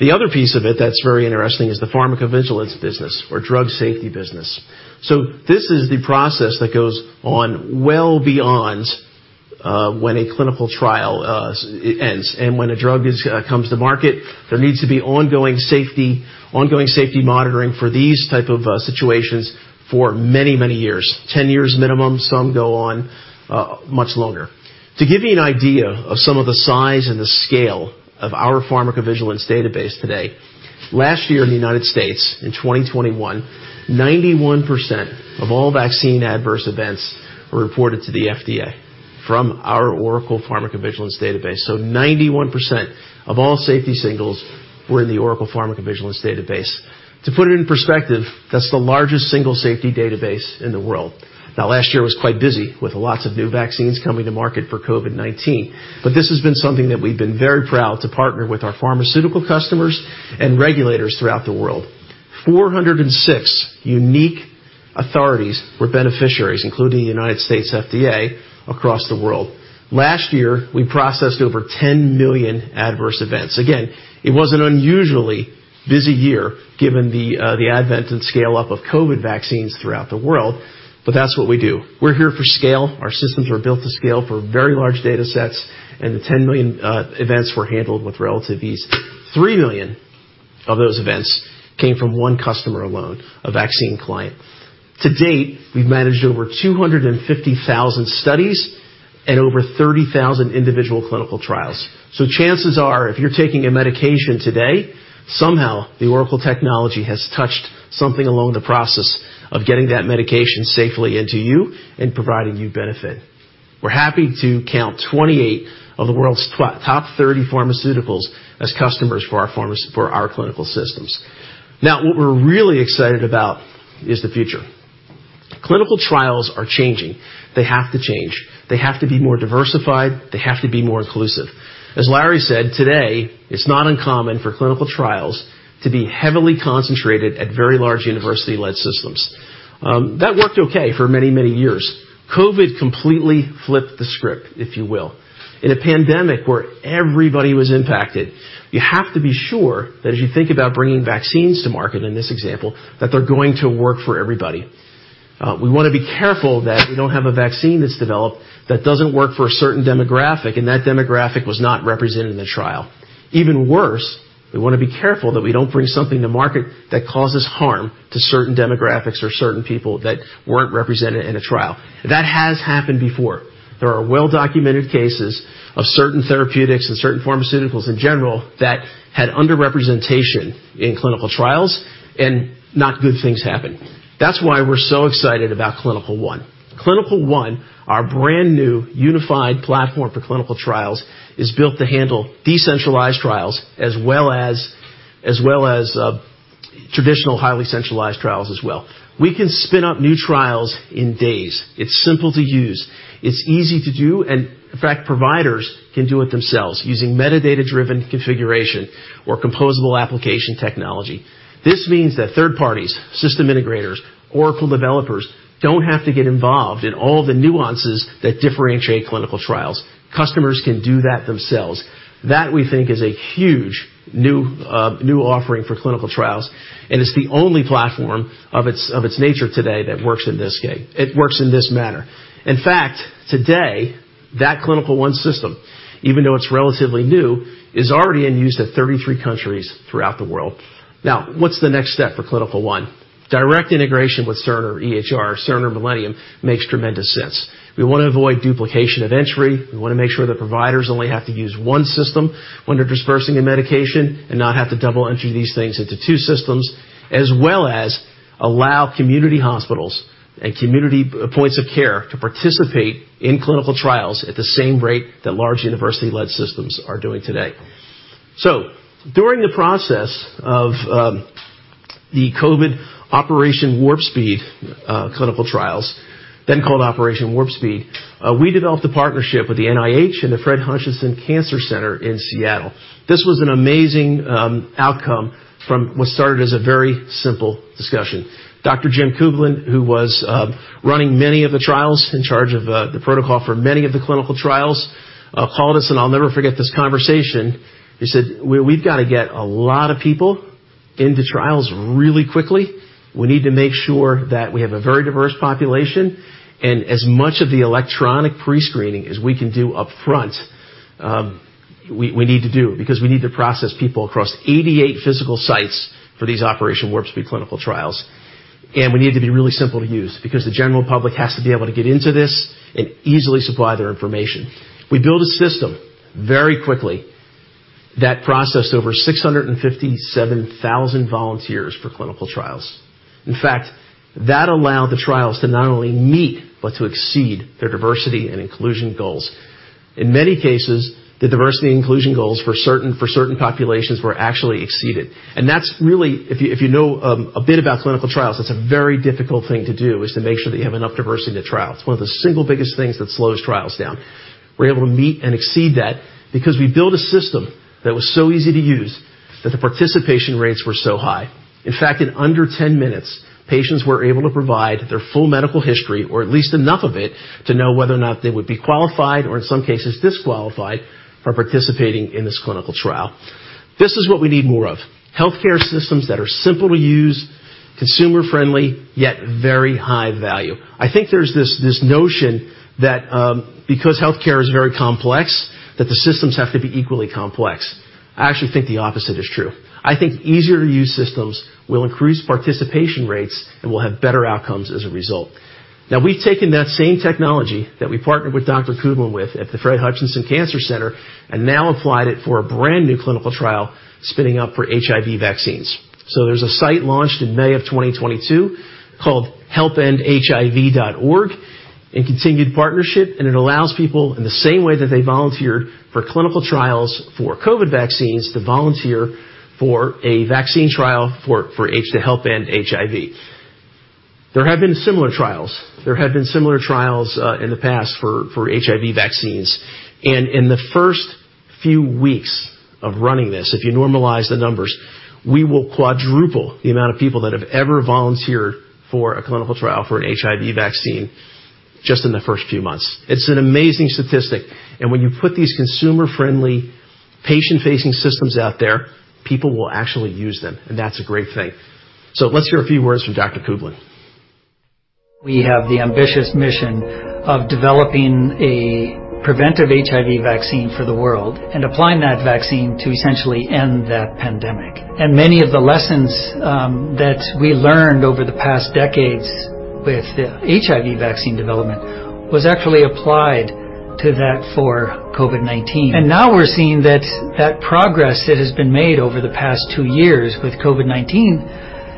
The other piece of it that's very interesting is the pharmacovigilance business or drug safety business. This is the process that goes on well beyond when a clinical trial ends. When a drug comes to market, there needs to be ongoing safety monitoring for these type of situations for many, many years, 10 years minimum. Some go on much longer. To give you an idea of some of the size and the scale of our pharmacovigilance database today, last year in the United States, in 2021, 91% of all vaccine adverse events were reported to the FDA from our Oracle Pharmacovigilance database. 91% of all safety signals were in the Oracle Pharmacovigilance database. To put it in perspective, that's the largest single safety database in the world. Now, last year was quite busy with lots of new vaccines coming to market for COVID-19, but this has been something that we've been very proud to partner with our pharmaceutical customers and regulators throughout the world. 406 unique authorities were beneficiaries, including the United States FDA across the world. Last year, we processed over 10 million adverse events. Again, it was an unusually busy year given the advent and scale-up of COVID vaccines throughout the world, but that's what we do. We're here for scale. Our systems are built to scale for very large datasets, and the 10 million events were handled with relative ease. 3 million of those events came from one customer alone, a vaccine client. To date, we've managed over 250,000 studies and over 30,000 individual clinical trials. Chances are, if you're taking a medication today, somehow the Oracle technology has touched something along the process of getting that medication safely into you and providing you benefit. We're happy to count 28 of the world's top 30 pharmaceuticals as customers for our clinical systems. Now, what we're really excited about is the future. Clinical trials are changing. They have to change. They have to be more diversified. They have to be more inclusive. As Larry said, today, it's not uncommon for clinical trials to be heavily concentrated at very large university-led systems. That worked okay for many, many years. COVID completely flipped the script, if you will. In a pandemic where everybody was impacted, you have to be sure that as you think about bringing vaccines to market, in this example, that they're going to work for everybody. We wanna be careful that we don't have a vaccine that's developed that doesn't work for a certain demographic, and that demographic was not represented in the trial. Even worse, we wanna be careful that we don't bring something to market that causes harm to certain demographics or certain people that weren't represented in a trial. That has happened before. There are well-documented cases of certain therapeutics and certain pharmaceuticals in general that had underrepresentation in clinical trials and not good things happened. That's why we're so excited about Clinical One. Clinical One, our brand-new unified platform for clinical trials, is built to handle decentralized trials as well as traditional, highly centralized trials as well. We can spin up new trials in days. It's simple to use, it's easy to do, and in fact, providers can do it themselves using metadata-driven configuration or composable application technology. This means that third parties, system integrators, Oracle developers, don't have to get involved in all the nuances that differentiate clinical trials. Customers can do that themselves. That, we think, is a huge new offering for clinical trials, and it's the only platform of its nature today that works in this manner. In fact, today, that Clinical One system, even though it's relatively new, is already in use in 33 countries throughout the world. Now, what's the next step for Clinical One? Direct integration with Cerner EHR, Cerner Millennium, makes tremendous sense. We wanna avoid duplication of entry. We wanna make sure that providers only have to use one system when they're dispensing a medication and not have to double entry these things into two systems, as well as allow community hospitals and community points of care to participate in clinical trials at the same rate that large university-led systems are doing today. During the process of the COVID Operation Warp Speed clinical trials, then called Operation Warp Speed. We developed a partnership with the NIH and the Fred Hutchinson Cancer Center in Seattle. This was an amazing outcome from what started as a very simple discussion. Dr. Jim Kublin, who was running many of the trials, in charge of the protocol for many of the clinical trials, called us, and I'll never forget this conversation. He said, "We've got to get a lot of people into trials really quickly. We need to make sure that we have a very diverse population, and as much of the electronic pre-screening as we can do up front, we need to do because we need to process people across 88 physical sites for these Operation Warp Speed clinical trials. We need to be really simple to use because the general public has to be able to get into this and easily supply their information." We built a system very quickly that processed over 657,000 volunteers for clinical trials. In fact, that allowed the trials to not only meet but to exceed their diversity and inclusion goals. In many cases, the diversity and inclusion goals for certain populations were actually exceeded. That's really, if you know a bit about clinical trials, that's a very difficult thing to do, is to make sure that you have enough diversity in the trial. It's one of the single biggest things that slows trials down. We're able to meet and exceed that because we built a system that was so easy to use that the participation rates were so high. In fact, in under 10 minutes, patients were able to provide their full medical history or at least enough of it to know whether or not they would be qualified or, in some cases, disqualified from participating in this clinical trial. This is what we need more of. Healthcare systems that are simple to use, consumer-friendly, yet very high value. I think there's this notion that, because healthcare is very complex, that the systems have to be equally complex. I actually think the opposite is true. I think easier-to-use systems will increase participation rates and will have better outcomes as a result. Now, we've taken that same technology that we partnered with Dr. Kublin with at the Fred Hutchinson Cancer Center and now applied it for a brand-new clinical trial spinning up for HIV vaccines. There's a site launched in May of 2022 called helpendhiv.org in continued partnership, and it allows people, in the same way that they volunteered for clinical trials for COVID vaccines, to volunteer for a vaccine trial for HIV to help end HIV. There have been similar trials in the past for HIV vaccines. In the first few weeks of running this, if you normalize the numbers, we will quadruple the amount of people that have ever volunteered for a clinical trial for an HIV vaccine just in the first few months. It's an amazing statistic. When you put these consumer-friendly, patient-facing systems out there, people will actually use them, and that's a great thing. Let's hear a few words from Dr. Kublin. We have the ambitious mission of developing a preventive HIV vaccine for the world and applying that vaccine to essentially end that pandemic. Many of the lessons that we learned over the past decades with the HIV vaccine development was actually applied to that for COVID-19. Now we're seeing that progress that has been made over the past two years with COVID-19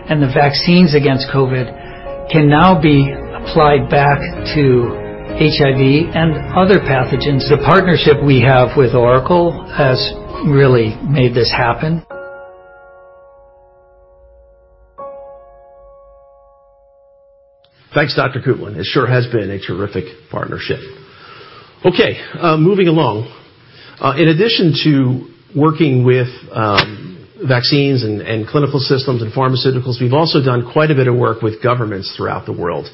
and the vaccines against COVID can now be applied back to HIV and other pathogens. The partnership we have with Oracle has really made this happen. Thanks, Dr. Kublin. It sure has been a terrific partnership. Okay, moving along. In addition to working with vaccines and clinical systems and pharmaceuticals, we've also done quite a bit of work with governments throughout the world.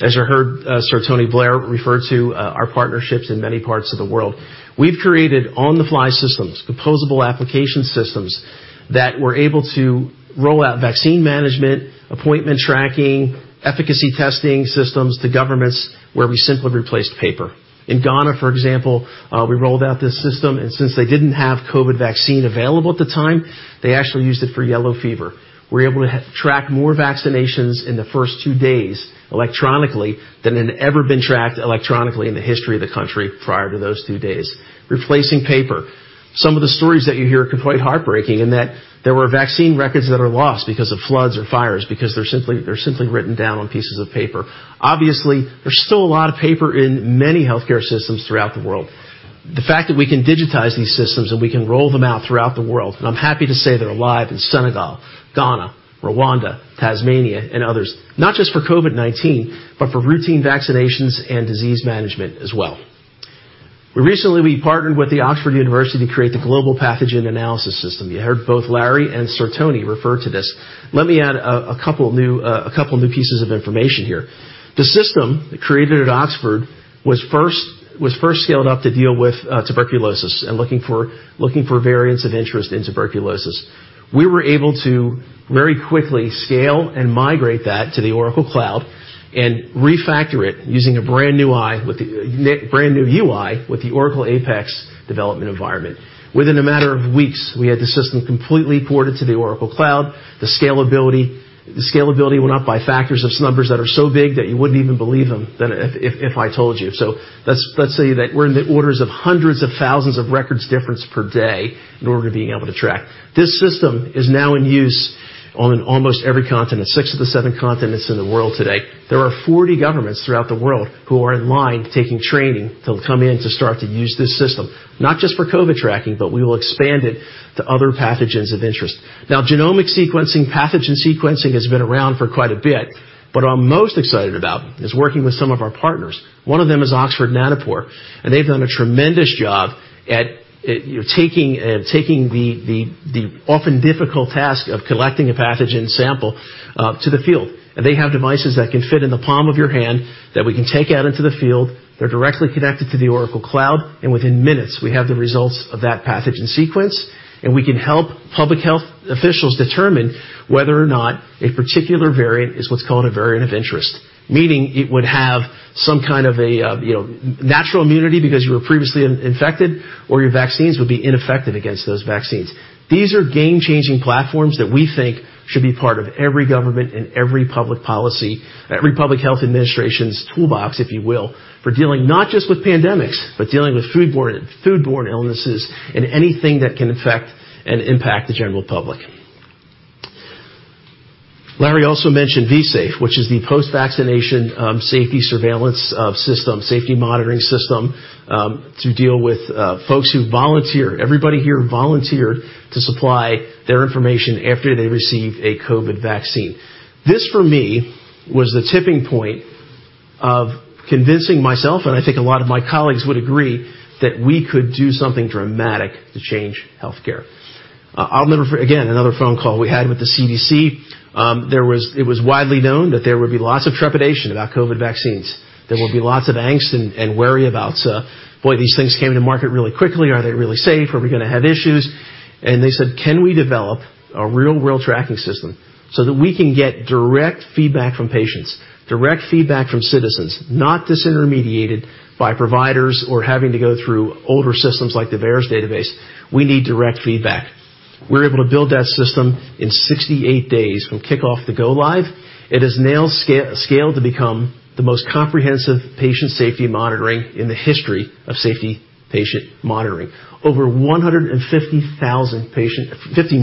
As you heard, Sir Tony Blair refer to, our partnerships in many parts of the world. We've created on-the-fly systems, composable application systems that were able to roll out vaccine management, appointment tracking, efficacy testing systems to governments where we simply replaced paper. In Ghana, for example, we rolled out this system, and since they didn't have COVID vaccine available at the time, they actually used it for yellow fever. We were able to track more vaccinations in the first two days electronically than had ever been tracked electronically in the history of the country prior to those two days. Replacing paper. Some of the stories that you hear are quite heartbreaking in that there were vaccine records that are lost because of floods or fires because they're simply written down on pieces of paper. Obviously, there's still a lot of paper in many healthcare systems throughout the world. The fact that we can digitize these systems and we can roll them out throughout the world, and I'm happy to say they're alive in Senegal, Ghana, Rwanda, Tanzania, and others, not just for COVID-19, but for routine vaccinations and disease management as well. Recently, we partnered with the University of Oxford to create the Global Pathogen Analysis System. You heard both Larry and Sir Tony refer to this. Let me add a couple new pieces of information here. The system created at Oxford was first scaled up to deal with tuberculosis and looking for variants of interest in tuberculosis. We were able to very quickly scale and migrate that to the Oracle Cloud and refactor it using a brand new AI with the brand new UI with the Oracle APEX development environment. Within a matter of weeks, we had the system completely ported to the Oracle Cloud. The scalability went up by factors of some numbers that are so big that you wouldn't even believe them if I told you. Let's say that we're in the orders of hundreds of thousands of records difference per day in order to being able to track. This system is now in use on almost every continent, six of the seven continents in the world today. There are 40 governments throughout the world who are in line taking training to come in to start to use this system, not just for COVID tracking, but we will expand it to other pathogens of interest. Now, genomic sequencing, pathogen sequencing has been around for quite a bit, but what I'm most excited about is working with some of our partners. One of them is Oxford Nanopore, and they've done a tremendous job at, you know, taking the often difficult task of collecting a pathogen sample to the field. They have devices that can fit in the palm of your hand that we can take out into the field. They're directly connected to the Oracle Cloud, and within minutes, we have the results of that pathogen sequence, and we can help public health officials determine whether or not a particular variant is what's called a variant of interest. Meaning it would have some kind of a, you know, natural immunity because you were previously infected or your vaccines would be ineffective against those vaccines. These are game-changing platforms that we think should be part of every government and every public policy, every public health administration's toolbox, if you will, for dealing not just with pandemics, but dealing with foodborne illnesses and anything that can affect and impact the general public. Larry also mentioned V-safe, which is the post-vaccination safety surveillance system, safety monitoring system, to deal with folks who volunteer. Everybody here volunteered to supply their information after they receive a COVID vaccine. This, for me, was the tipping point of convincing myself, and I think a lot of my colleagues would agree, that we could do something dramatic to change healthcare. Again, another phone call we had with the CDC. It was widely known that there would be lots of trepidation about COVID vaccines. There will be lots of angst and worry about, boy, these things came to market really quickly. Are they really safe? Are we gonna have issues? They said, "Can we develop a real-world tracking system so that we can get direct feedback from patients, direct feedback from citizens, not disintermediated by providers or having to go through older systems like the VAERS database? We need direct feedback." We were able to build that system in 68 days from kickoff to go live. It has now scaled to become the most comprehensive patient safety monitoring in the history of safety patient monitoring. Over 150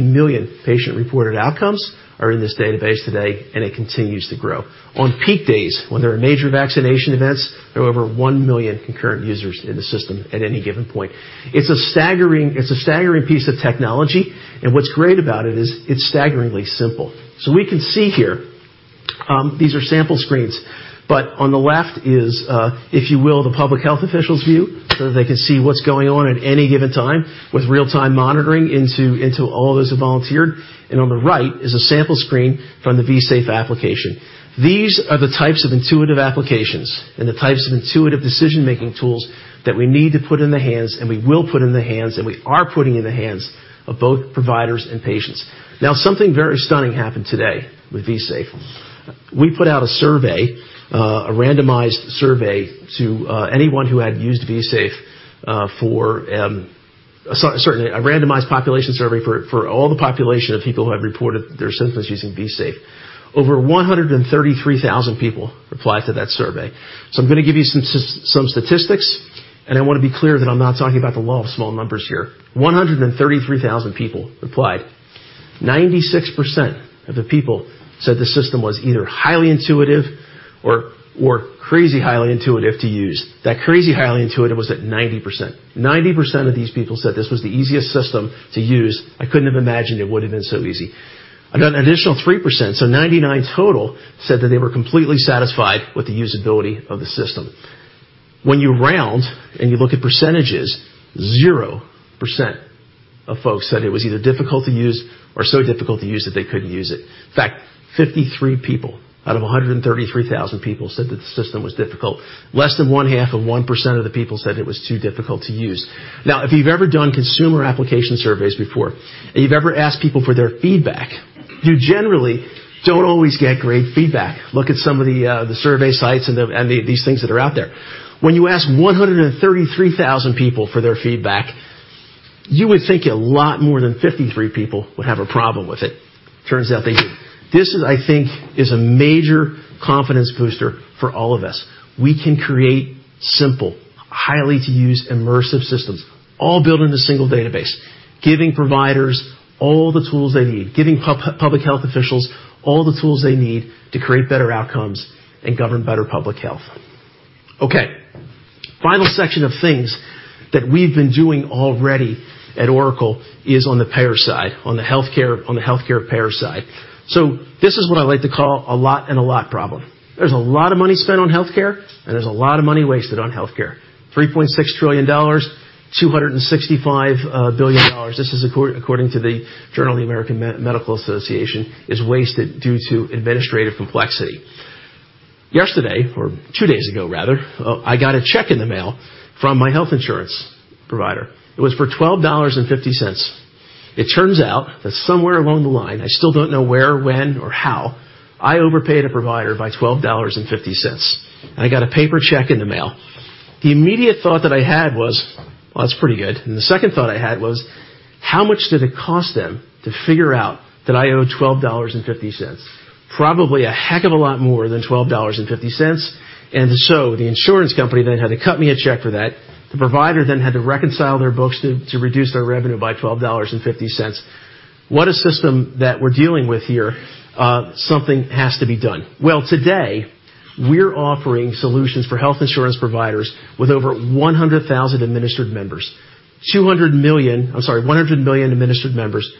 million patient-reported outcomes are in this database today, and it continues to grow. On peak days, when there are major vaccination events, there are over 1 million concurrent users in the system at any given point. It's a staggering piece of technology, and what's great about it is it's staggeringly simple. We can see here, these are sample screens, but on the left is, if you will, the public health officials view, so that they can see what's going on at any given time with real-time monitoring into all those who volunteered. On the right is a sample screen from the V-safe application. These are the types of intuitive applications and the types of intuitive decision-making tools that we need to put in the hands, and we will put in the hands, and we are putting in the hands of both providers and patients. Now, something very stunning happened today with V-safe. We put out a survey, a randomized survey to anyone who had used V-safe, for certainly, a randomized population survey for all the population of people who have reported their symptoms using V-safe. Over 133,000 people replied to that survey. I'm gonna give you some statistics, and I wanna be clear that I'm not talking about the law of small numbers here. 133,000 people replied. 96% of the people said the system was either highly intuitive or crazy highly intuitive to use. That crazy highly intuitive was at 90%. 90% of these people said this was the easiest system to use. I couldn't have imagined it would've been so easy. An additional 3%, so 99 total, said that they were completely satisfied with the usability of the system. When you round and you look at percentages, 0% of folks said it was either difficult to use or so difficult to use that they couldn't use it. In fact, 53 people out of 133,000 people said that the system was difficult. Less than 0.5% of the people said it was too difficult to use. Now, if you've ever done consumer application surveys before, and you've ever asked people for their feedback, you generally don't always get great feedback. Look at some of the survey sites and these things that are out there. When you ask 133,000 people for their feedback, you would think a lot more than 53 people would have a problem with it. Turns out they didn't. This, I think, is a major confidence booster for all of us. We can create simple, easy to use immersive systems, all built in a single database, giving providers all the tools they need, giving public health officials all the tools they need to create better outcomes and govern better public health. Okay. Final section of things that we've been doing already at Oracle is on the payer side, on the healthcare payer side. This is what I like to call a lot and a lot problem. There's a lot of money spent on healthcare, and there's a lot of money wasted on healthcare. $3.6 trillion, $265 billion, this is according to the Journal of the American Medical Association, is wasted due to administrative complexity. Yesterday, or two days ago rather, I got a check in the mail from my health insurance provider. It was for $12.50. It turns out that somewhere along the line, I still don't know where, when, or how, I overpaid a provider by $12.50, and I got a paper check in the mail. The immediate thought that I had was, "Well, that's pretty good." The second thought I had was, "How much did it cost them to figure out that I owe $12.50?" Probably a heck of a lot more than $12.50. The insurance company then had to cut me a check for that. The provider then had to reconcile their books to reduce their revenue by $12.50. What a system that we're dealing with here. Something has to be done. Well, today, we're offering solutions for health insurance providers with over 100,000 administered members. 100 million administered members,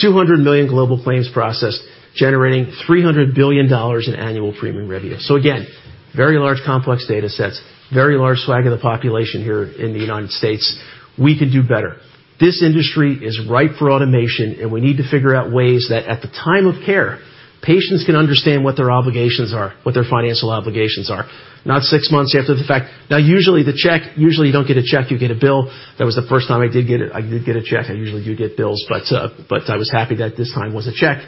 200 million global claims processed, generating $300 billion in annual premium revenue. Again, very large complex datasets, very large swath of the population here in the United States. We could do better. This industry is right for automation, and we need to figure out ways that at the time of care, patients can understand what their obligations are, what their financial obligations are, not six months after the fact. Now, usually you don't get a check, you get a bill. That was the first time I did get a check. I usually do get bills, but I was happy that this time was a check.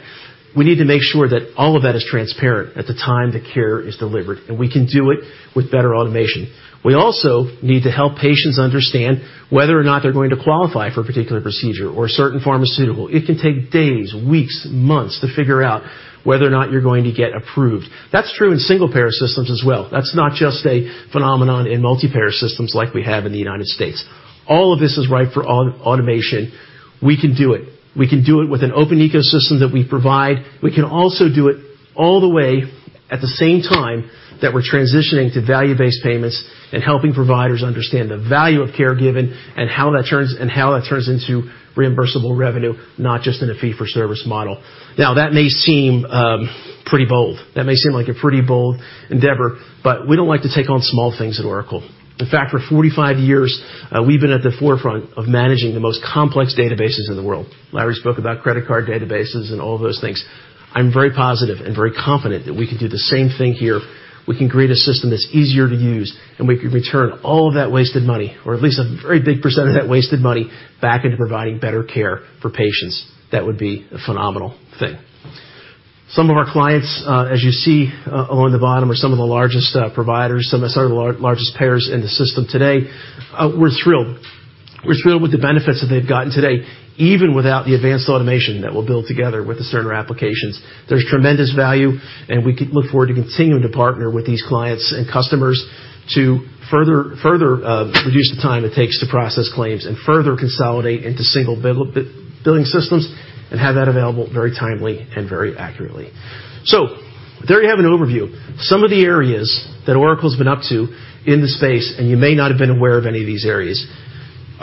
We need to make sure that all of that is transparent at the time the care is delivered, and we can do it with better automation. We also need to help patients understand whether or not they're going to qualify for a particular procedure or a certain pharmaceutical. It can take days, weeks, months to figure out whether or not you're going to get approved. That's true in single-payer systems as well. That's not just a phenomenon in multi-payer systems like we have in the United States. All of this is right for automation. We can do it. We can do it with an open ecosystem that we provide. We can also do it all the way at the same time that we're transitioning to value-based payments and helping providers understand the value of care given and how that turns into reimbursable revenue, not just in a fee-for-service model. Now, that may seem pretty bold. That may seem like a pretty bold endeavor, but we don't like to take on small things at Oracle. In fact, for 45 years, we've been at the forefront of managing the most complex databases in the world. Larry spoke about credit card databases and all of those things. I'm very positive and very confident that we can do the same thing here. We can create a system that's easier to use, and we can return all of that wasted money, or at least a very big percent of that wasted money, back into providing better care for patients. That would be a phenomenal thing. Some of our clients, as you see, along the bottom are some of the largest providers, some of the sort of the largest payers in the system today. We're thrilled. We're thrilled with the benefits that they've gotten today, even without the advanced automation that we'll build together with the Cerner applications. There's tremendous value, and we can look forward to continuing to partner with these clients and customers to further reduce the time it takes to process claims and further consolidate into single billing systems and have that available very timely and very accurately. There you have an overview. Some of the areas that Oracle's been up to in the space, and you may not have been aware of any of these areas.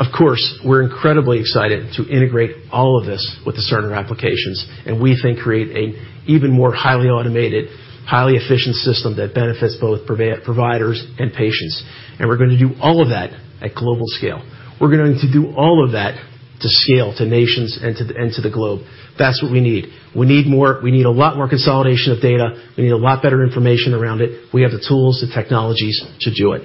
Of course, we're incredibly excited to integrate all of this with the Cerner applications, and we think create a even more highly automated, highly efficient system that benefits both providers and patients. We're gonna do all of that at global scale. We're going to do all of that to scale to nations and to the globe. That's what we need. We need more. We need a lot more consolidation of data. We need a lot better information around it. We have the tools, the technologies to do it.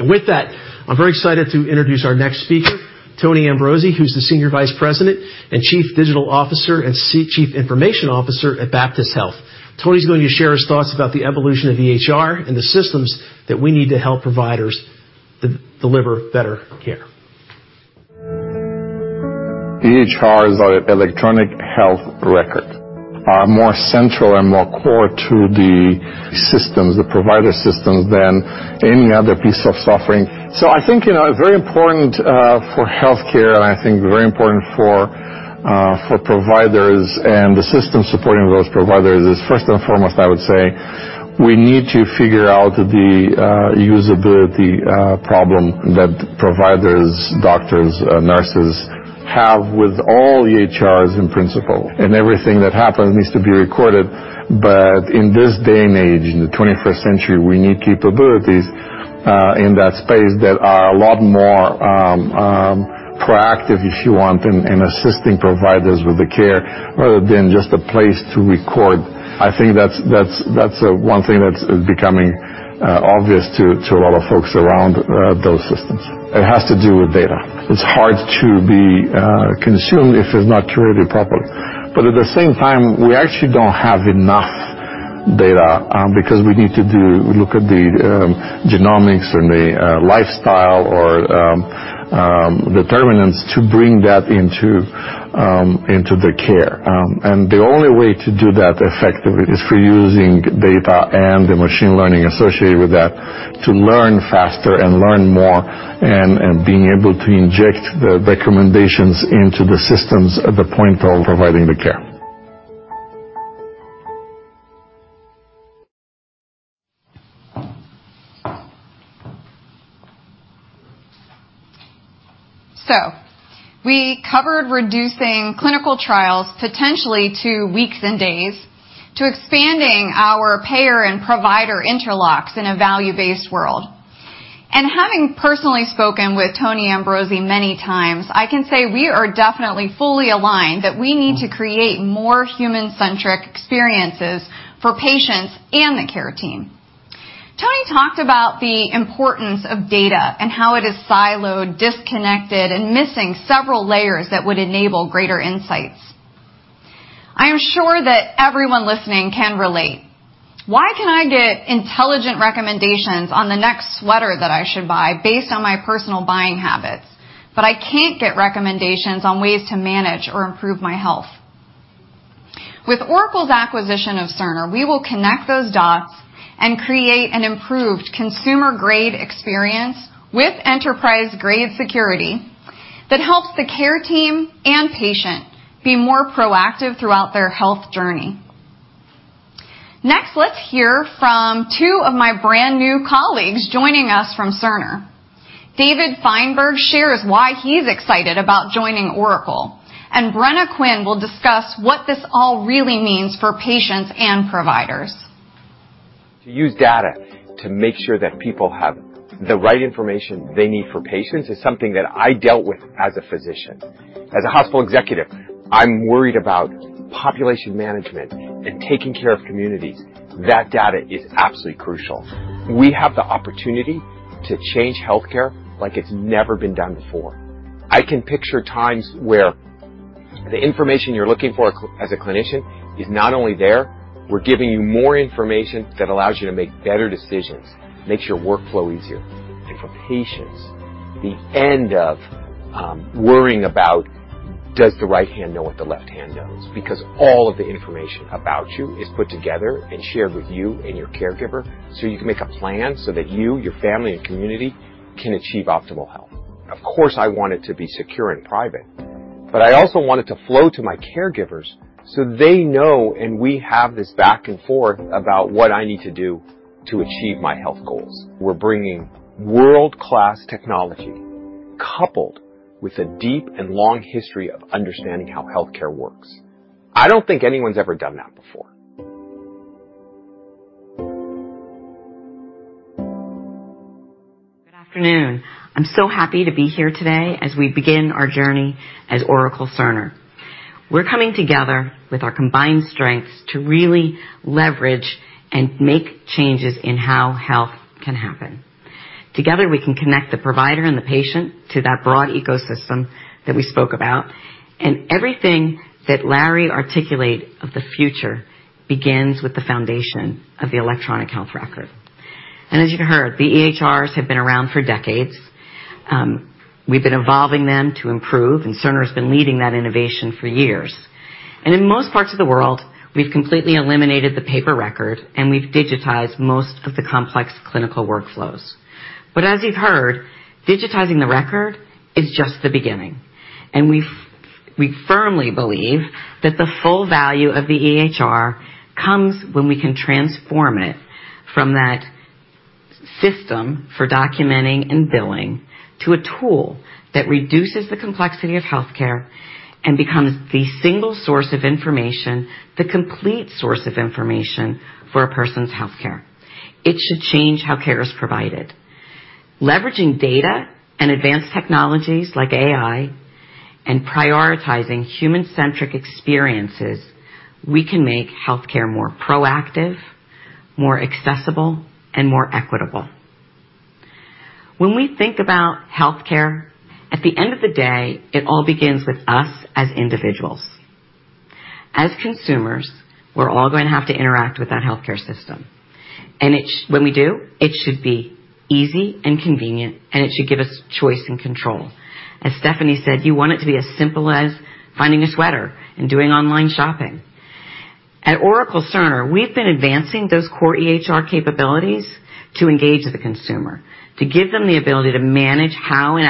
With that, I'm very excited to introduce our next speaker, Tony Ambrozie, who's the Senior Vice President and Chief Digital Officer and Chief Information Officer at Baptist Health. Tony's going to share his thoughts about the evolution of EHR and the systems that we need to help providers deliver better care. EHR is our electronic health record. They're more central and more core to the systems, the provider systems than any other piece of software. I think, you know, very important for healthcare, and I think very important for providers and the system supporting those providers is, first and foremost, I would say, we need to figure out the usability problem that providers, doctors, nurses have with all EHRs in principle, and everything that happens needs to be recorded. In this day and age, in the 21st century, we need capabilities in that space that are a lot more proactive, if you want, in assisting providers with the care, rather than just a place to record. I think that's one thing that's is becoming obvious to a lot of folks around those systems. It has to do with data. It's hard to be consumed if it's not curated properly. At the same time, we actually don't have enough data, because we need to look at the genomics and the lifestyle or determinants to bring that into the care. The only way to do that effectively is through using data and the machine learning associated with that to learn faster and learn more and being able to inject the recommendations into the systems at the point of providing the care. We covered reducing clinical trials potentially to weeks and days, to expanding our payer and provider interlocks in a value-based world. Having personally spoken with Tony Ambrozie many times, I can say we are definitely fully aligned that we need to create more human-centric experiences for patients and the care team. Tony talked about the importance of data and how it is siloed, disconnected, and missing several layers that would enable greater insights. I am sure that everyone listening can relate. Why can I get intelligent recommendations on the next sweater that I should buy based on my personal buying habits, but I can't get recommendations on ways to manage or improve my health? With Oracle's acquisition of Cerner, we will connect those dots and create an improved consumer-grade experience with enterprise-grade security that helps the care team and patient be more proactive throughout their health journey. Next, let's hear from two of my brand-new colleagues joining us from Cerner. David Feinberg shares why he's excited about joining Oracle, and Brenna Quinn will discuss what this all really means for patients and providers. To use data to make sure that people have the right information they need for patients is something that I dealt with as a physician. As a hospital executive, I'm worried about population management and taking care of communities. That data is absolutely crucial. We have the opportunity to change healthcare like it's never been done before. I can picture times where the information you're looking for as a clinician is not only there, we're giving you more information that allows you to make better decisions, makes your workflow easier. For patients, the end of worrying about does the right hand know what the left hand knows? Because all of the information about you is put together and shared with you and your caregiver, so you can make a plan so that you, your family, and community can achieve optimal health. Of course, I want it to be secure and private, but I also want it to flow to my caregivers, so they know and we have this back and forth about what I need to do to achieve my health goals. We're bringing world-class technology coupled with a deep and long history of understanding how healthcare works. I don't think anyone's ever done that before. Good afternoon. I'm so happy to be here today as we begin our journey as Oracle Cerner. We're coming together with our combined strengths to really leverage and make changes in how health can happen. Together, we can connect the provider and the patient to that broad ecosystem that we spoke about. Everything that Larry articulate of the future begins with the foundation of the electronic health record. As you heard, the EHRs have been around for decades. We've been evolving them to improve, and Cerner's been leading that innovation for years. In most parts of the world, we've completely eliminated the paper record, and we've digitized most of the complex clinical workflows. As you've heard, digitizing the record is just the beginning. We firmly believe that the full value of the EHR comes when we can transform it from that system for documenting and billing to a tool that reduces the complexity of healthcare and becomes the single source of information, the complete source of information for a person's healthcare. It should change how care is provided. Leveraging data and advanced technologies like AI and prioritizing human-centric experiences, we can make healthcare more proactive, more accessible, and more equitable. When we think about healthcare, at the end of the day, it all begins with us as individuals. As consumers, we're all going to have to interact with that healthcare system. When we do, it should be easy and convenient, and it should give us choice and control. As Stephanie said, you want it to be as simple as finding a sweater and doing online shopping. At Oracle Health, we've been advancing those core EHR capabilities to engage the consumer, to give them the ability to manage how they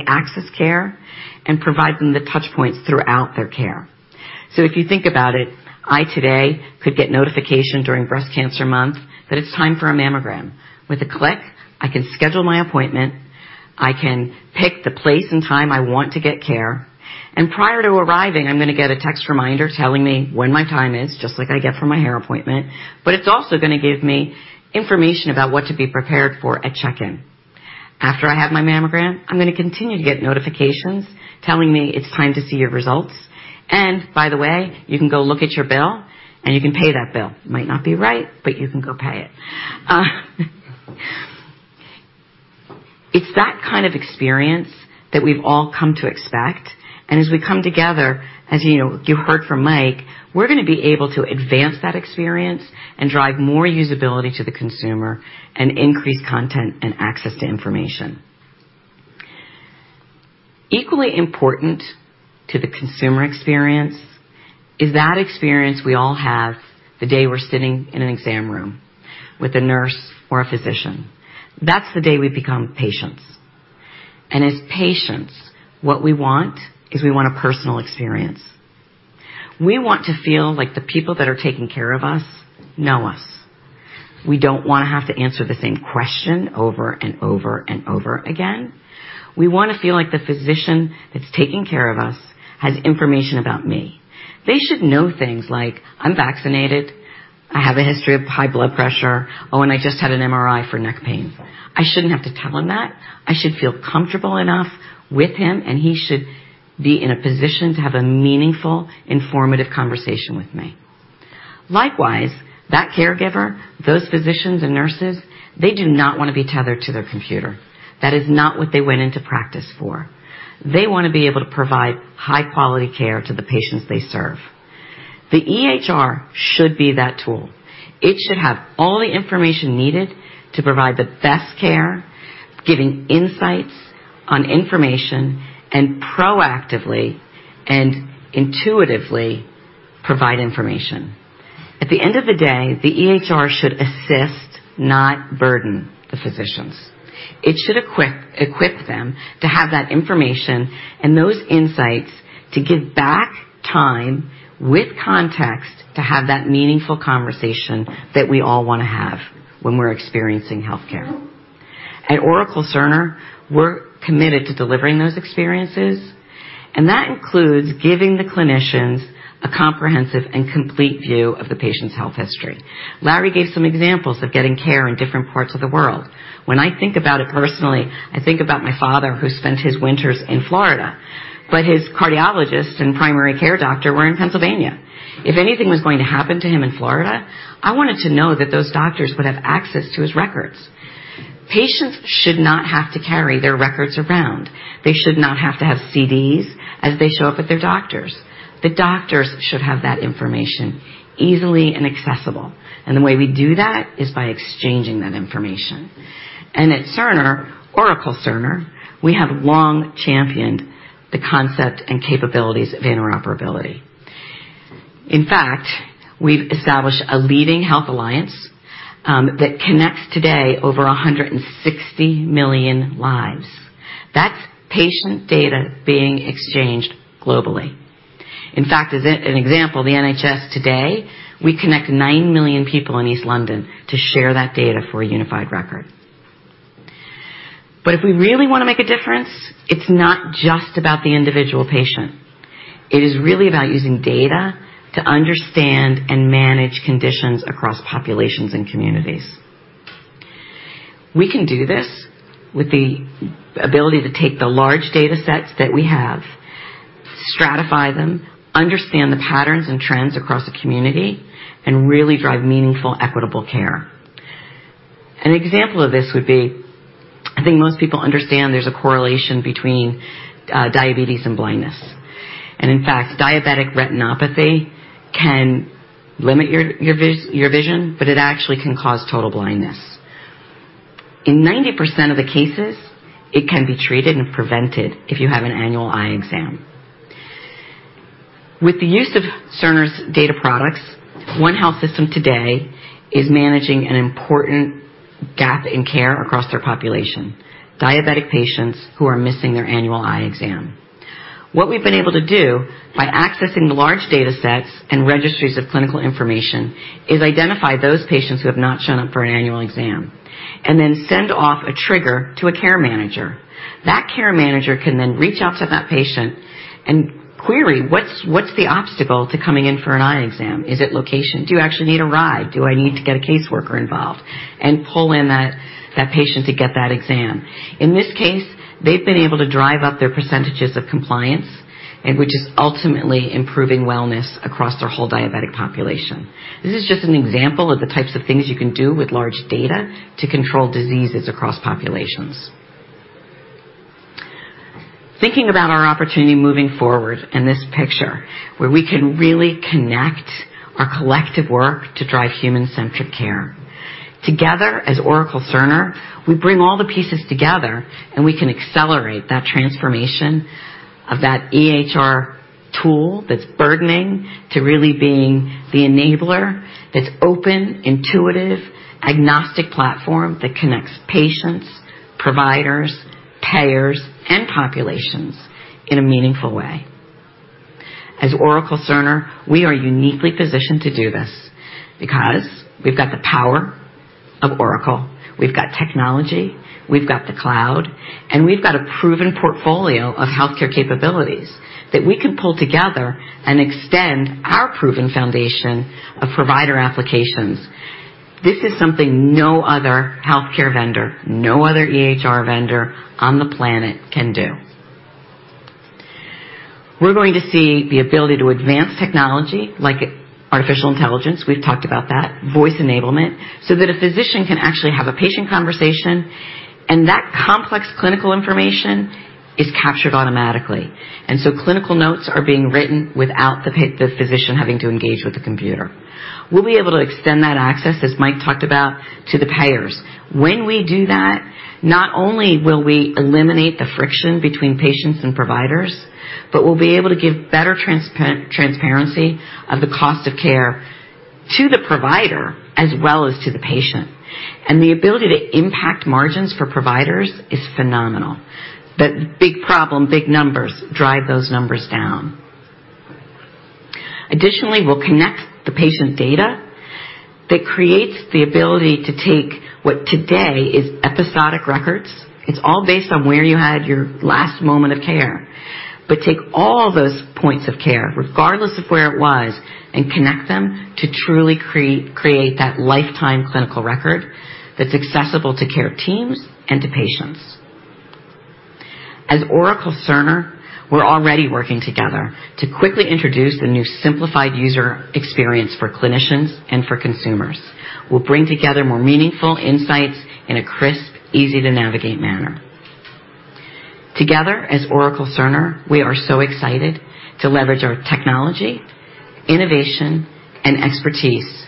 access care and provide them the touch points throughout their care. If you think about it, I today could get notification during Breast Cancer Month that it's time for a mammogram. With a click, I can schedule my appointment, I can pick the place and time I want to get care, and prior to arriving, I'm gonna get a text reminder telling me when my time is, just like I get from my hair appointment, but it's also gonna give me information about what to be prepared for at check-in. After I have my mammogram, I'm gonna continue to get notifications telling me it's time to see your results. By the way, you can go look at your bill and you can pay that bill. It might not be right, but you can go pay it. It's that kind of experience that we've all come to expect. As we come together, as you know, you heard from Mike, we're gonna be able to advance that experience and drive more usability to the consumer and increase content and access to information. Equally important to the consumer experience is that experience we all have the day we're sitting in an exam room with a nurse or a physician. That's the day we become patients. As patients, what we want is a personal experience. We want to feel like the people that are taking care of us know us. We don't wanna have to answer the same question over and over and over again. We want to feel like the physician that's taking care of us has information about me. They should know things like I'm vaccinated, I have a history of high blood pressure, oh, and I just had an MRI for neck pain. I shouldn't have to tell him that. I should feel comfortable enough with him, and he should be in a position to have a meaningful, informative conversation with me. Likewise, that caregiver, those physicians and nurses, they do not wanna be tethered to their computer. That is not what they went into practice for. They wanna be able to provide high-quality care to the patients they serve. The EHR should be that tool. It should have all the information needed to provide the best care, giving insights on information, and proactively and intuitively provide information. At the end of the day, the EHR should assist, not burden the physicians. It should equip them to have that information and those insights to give back time with context, to have that meaningful conversation that we all wanna have when we're experiencing healthcare. At Oracle Cerner, we're committed to delivering those experiences, and that includes giving the clinicians a comprehensive and complete view of the patient's health history. Larry gave some examples of getting care in different parts of the world. When I think about it personally, I think about my father, who spent his winters in Florida, but his cardiologist and primary care doctor were in Pennsylvania. If anything was going to happen to him in Florida, I wanted to know that those doctors would have access to his records. Patients should not have to carry their records around. They should not have to have CDs as they show up at their doctors. The doctors should have that information easily and accessible. The way we do that is by exchanging that information. At Cerner, Oracle Cerner, we have long championed the concept and capabilities of interoperability. In fact, we've established a leading health alliance that connects today over 160 million lives. That's patient data being exchanged globally. In fact, as an example, the NHS today, we connect 9 million people in East London to share that data for a unified record. If we really wanna make a difference, it's not just about the individual patient. It is really about using data to understand and manage conditions across populations and communities. We can do this with the ability to take the large datasets that we have, stratify them, understand the patterns and trends across a community, and really drive meaningful, equitable care. An example of this would be, I think most people understand there's a correlation between diabetes and blindness. In fact, diabetic retinopathy can limit your vision, but it actually can cause total blindness. In 90% of the cases, it can be treated and prevented if you have an annual eye exam. With the use of Cerner's data products, one health system today is managing an important gap in care across their population, diabetic patients who are missing their annual eye exam. What we've been able to do, by accessing the large datasets and registries of clinical information, is identify those patients who have not shown up for an annual exam and then send off a trigger to a care manager. That care manager can then reach out to that patient and query, "What's the obstacle to coming in for an eye exam? Is it location? Do you actually need a ride? Do I need to get a caseworker involved?" Pull in that patient to get that exam. In this case, they've been able to drive up their percentages of compliance and which is ultimately improving wellness across their whole diabetic population. This is just an example of the types of things you can do with large data to control diseases across populations. Thinking about our opportunity moving forward in this picture, where we can really connect our collective work to drive human-centric care. Together as Oracle Cerner, we bring all the pieces together, and we can accelerate that transformation of that EHR tool that's burdening to really being the enabler that's open, intuitive, agnostic platform that connects patients, providers, payers, and populations in a meaningful way. As Oracle Cerner, we are uniquely positioned to do this because we've got the power of Oracle, we've got technology, we've got the cloud, and we've got a proven portfolio of healthcare capabilities that we can pull together and extend our proven foundation of provider applications. This is something no other healthcare vendor, no other EHR vendor on the planet can do. We're going to see the ability to advance technology like artificial intelligence, we've talked about that, voice enablement, so that a physician can actually have a patient conversation, and that complex clinical information is captured automatically. Clinical notes are being written without the physician having to engage with the computer. We'll be able to extend that access, as Mike talked about, to the payers. When we do that, not only will we eliminate the friction between patients and providers, but we'll be able to give better transparency of the cost of care to the provider as well as to the patient. The ability to impact margins for providers is phenomenal. The big problem, big numbers, drive those numbers down. Additionally, we'll connect the patient data that creates the ability to take what today is episodic records. It's all based on where you had your last moment of care. Take all those points of care, regardless of where it was, and connect them to truly create that lifetime clinical record that's accessible to care teams and to patients. As Oracle Cerner, we're already working together to quickly introduce the new simplified user experience for clinicians and for consumers. We'll bring together more meaningful insights in a crisp, easy-to-navigate manner. Together, as Oracle Cerner, we are so excited to leverage our technology, innovation, and expertise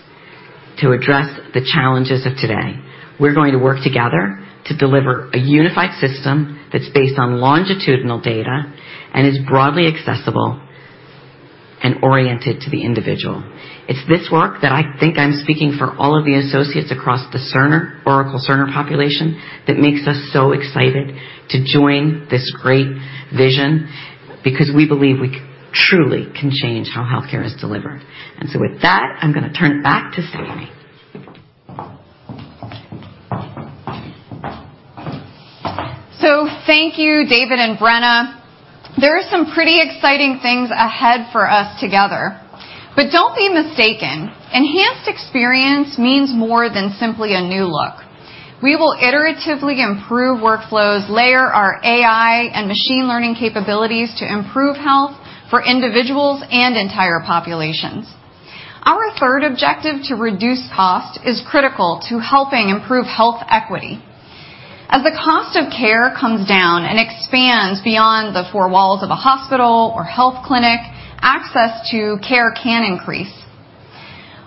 to address the challenges of today. We're going to work together to deliver a unified system that's based on longitudinal data and is broadly accessible and oriented to the individual. It's this work that I think I'm speaking for all of the associates across the Cerner, Oracle Cerner population that makes us so excited to join this great vision because we believe we truly can change how healthcare is delivered. With that, I'm gonna turn it back to Stephanie. Thank you, David and Brenna. There are some pretty exciting things ahead for us together. Don't be mistaken, enhanced experience means more than simply a new look. We will iteratively improve workflows, layer our AI and machine learning capabilities to improve health for individuals and entire populations. Our third objective to reduce cost is critical to helping improve health equity. As the cost of care comes down and expands beyond the four walls of a hospital or health clinic, access to care can increase.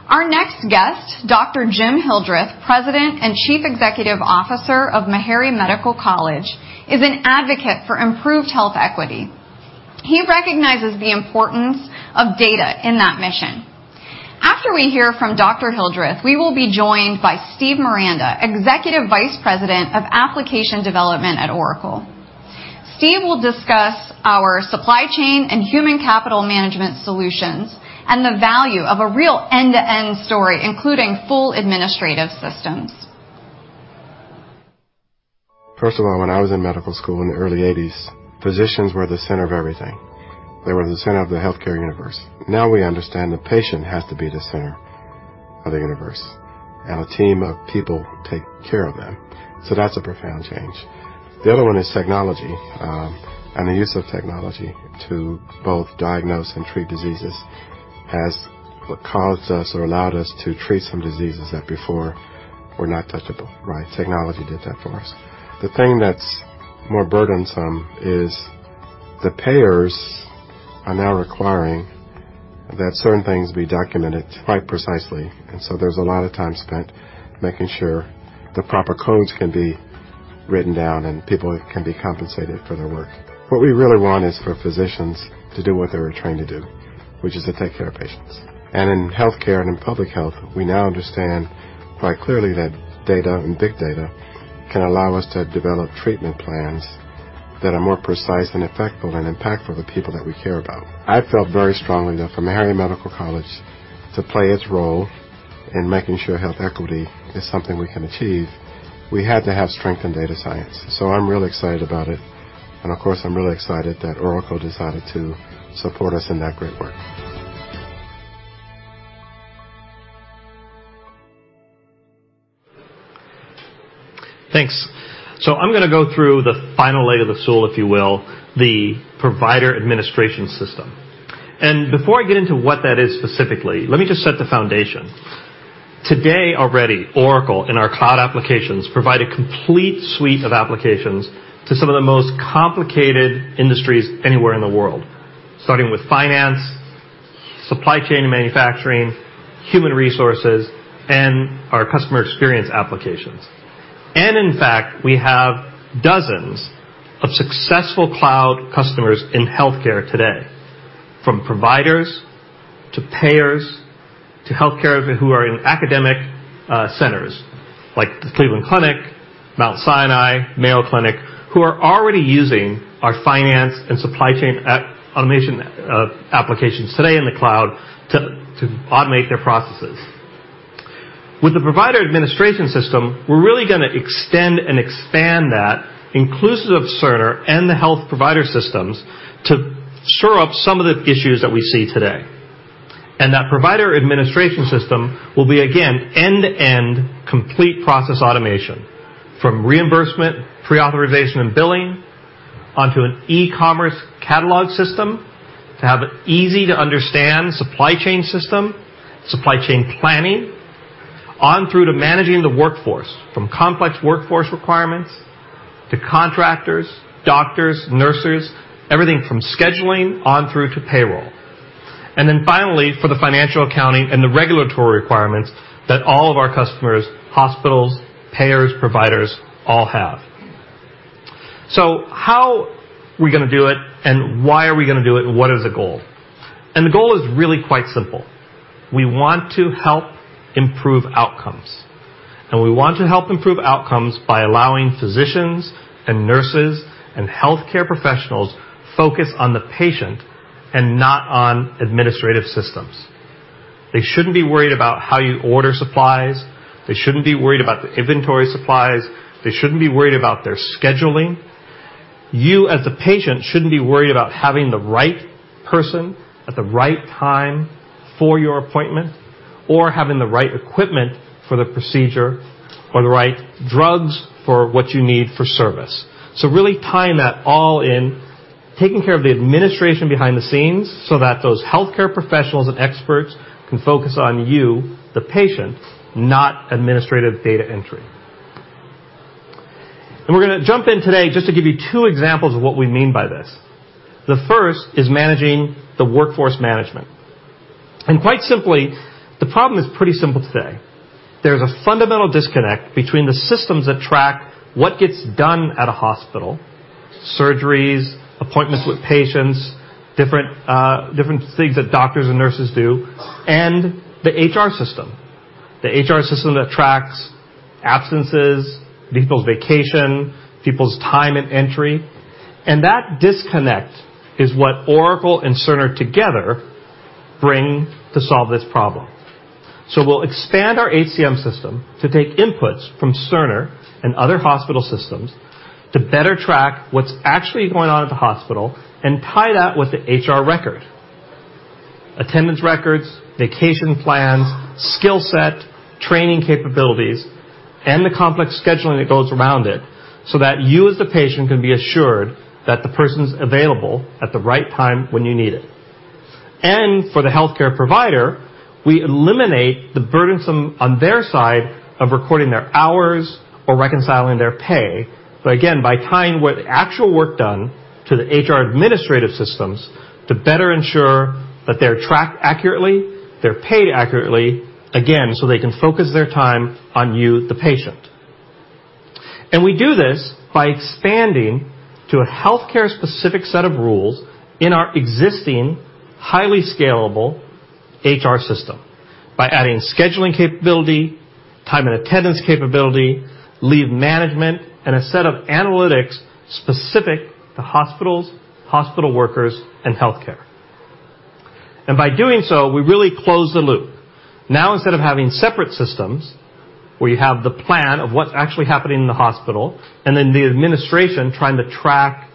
Our next guest, Dr. Jim Hildreth, President and Chief Executive Officer of Meharry Medical College, is an advocate for improved health equity. He recognizes the importance of data in that mission. After we hear from Dr. Hildreth, we will be joined by Steve Miranda, Executive Vice President of Application Development at Oracle. Steve will discuss our supply chain and human capital management solutions and the value of a real end-to-end story, including full administrative systems. First of all, when I was in medical school in the early eighties, physicians were the center of everything. They were the center of the healthcare universe. Now we understand the patient has to be the center of the universe, and a team of people take care of them. That's a profound change. The other one is technology, and the use of technology to both diagnose and treat diseases has caused us or allowed us to treat some diseases that before were not touchable, right? Technology did that for us. The thing that's more burdensome is the payers are now requiring that certain things be documented quite precisely, and so there's a lot of time spent making sure the proper codes can be written down, and people can be compensated for their work. What we really want is for physicians to do what they were trained to do, which is to take care of patients. In healthcare and in public health, we now understand quite clearly that data and big data can allow us to develop treatment plans that are more precise and effective and impactful to people that we care about. I felt very strongly that for Meharry Medical College to play its role in making sure health equity is something we can achieve, we had to have strength in data science. I'm really excited about it. Of course, I'm really excited that Oracle decided to support us in that great work. Thanks. I'm gonna go through the final leg of the stool, if you will, the provider administration system. Before I get into what that is specifically, let me just set the foundation. Today already, Oracle, in our cloud applications, provide a complete suite of applications to some of the most complicated industries anywhere in the world, starting with finance, supply chain and manufacturing, human resources, and our customer experience applications. In fact, we have dozens of successful cloud customers in healthcare today, from providers to payers to healthcare who are in academic centers like the Cleveland Clinic, Mount Sinai, Mayo Clinic, who are already using our finance and supply chain automation applications today in the cloud to automate their processes. With the provider administration system, we're really gonna extend and expand that inclusive Cerner and the health provider systems to shore up some of the issues that we see today. That provider administration system will be, again, end-to-end complete process automation, from reimbursement, pre-authorization and billing, onto an e-commerce catalog system to have an easy-to-understand supply chain system, supply chain planning, on through to managing the workforce, from complex workforce requirements to contractors, doctors, nurses, everything from scheduling on through to payroll. Then finally, for the financial accounting and the regulatory requirements that all of our customers, hospitals, payers, providers all have. How we gonna do it, and why are we gonna do it, and what is the goal? The goal is really quite simple. We want to help improve outcomes by allowing physicians and nurses and healthcare professionals focus on the patient and not on administrative systems. They shouldn't be worried about how you order supplies. They shouldn't be worried about the inventory supplies. They shouldn't be worried about their scheduling. You, as a patient, shouldn't be worried about having the right person at the right time for your appointment or having the right equipment for the procedure or the right drugs for what you need for service. Really tying that all in, taking care of the administration behind the scenes so that those healthcare professionals and experts can focus on you, the patient, not administrative data entry. We're gonna jump in today just to give you two examples of what we mean by this. The first is managing the workforce management. Quite simply, the problem is pretty simple today. There's a fundamental disconnect between the systems that track what gets done at a hospital, surgeries, appointments with patients, different things that doctors and nurses do, and the HR system. The HR system that tracks absences, people's vacation, people's time and entry. That disconnect is what Oracle and Cerner together bring to solve this problem. We'll expand our HCM system to take inputs from Cerner and other hospital systems to better track what's actually going on at the hospital and tie that with the HR record. Attendance records, vacation plans, skill set, training capabilities, and the complex scheduling that goes around it, so that you, as the patient, can be assured that the person's available at the right time when you need it. For the healthcare provider, we eliminate the burdensome on their side of recording their hours or reconciling their pay, but again, by tying with the actual work done to the HR administrative systems to better ensure that they're tracked accurately, they're paid accurately, again, so they can focus their time on you, the patient. We do this by expanding to a healthcare-specific set of rules in our existing, highly scalable HR system. By adding scheduling capability, time and attendance capability, leave management, and a set of analytics specific to hospitals, hospital workers, and healthcare. By doing so, we really close the loop. Now, instead of having separate systems, we have the plan of what's actually happening in the hospital and then the administration trying to track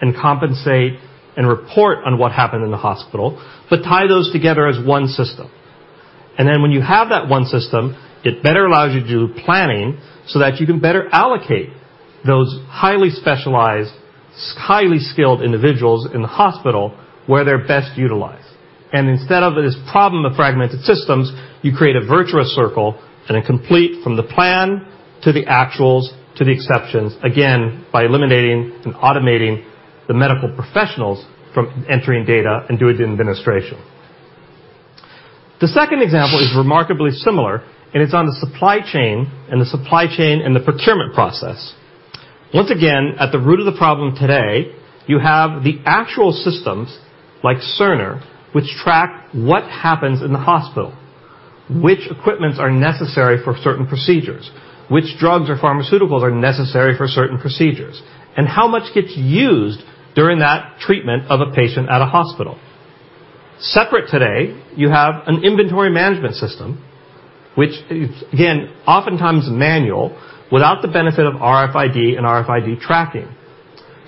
and compensate and report on what happened in the hospital, but tie those together as one system. When you have that one system, it better allows you to do planning so that you can better allocate those highly specialized, highly skilled individuals in the hospital where they're best utilized. Instead of this problem of fragmented systems, you create a virtuous circle and a complete from the plan to the actuals to the exceptions, again, by eliminating and automating the medical professionals from entering data and doing the administration. The second example is remarkably similar, and it's on the supply chain, and the supply chain and the procurement process. Once again, at the root of the problem today, you have the actual systems like Cerner, which track what happens in the hospital, which equipment is necessary for certain procedures, which drugs or pharmaceuticals are necessary for certain procedures, and how much gets used during that treatment of a patient at a hospital. Separately today, you have an inventory management system, which is again, oftentimes manual without the benefit of RFID and RFID tracking.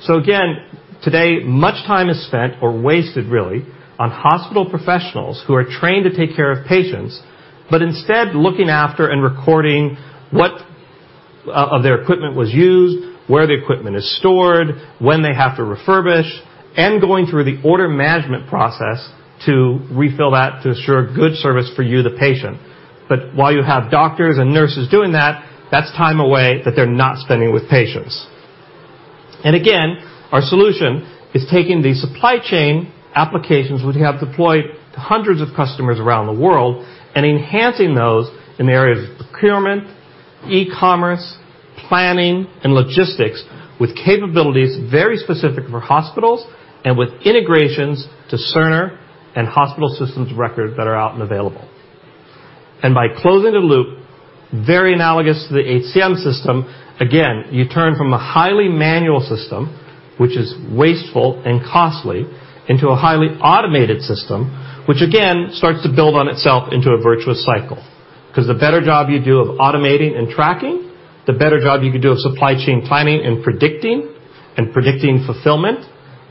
Again, today, much time is spent or wasted really on hospital professionals who are trained to take care of patients, but instead looking after and recording what of their equipment was used, where the equipment is stored, when they have to refurbish, and going through the order management process to refill that to ensure good service for you, the patient. While you have doctors and nurses doing that's time away that they're not spending with patients. Again, our solution is taking the supply chain applications which we have deployed to hundreds of customers around the world and enhancing those in the areas of procurement, e-commerce, planning, and logistics with capabilities very specific for hospitals and with integrations to Cerner and hospital systems records that are out and available. By closing the loop, very analogous to the HCM system, again, you turn from a highly manual system, which is wasteful and costly, into a highly automated system, which again starts to build on itself into a virtuous cycle. 'Cause the better job you do of automating and tracking, the better job you can do of supply chain planning and predicting fulfillment.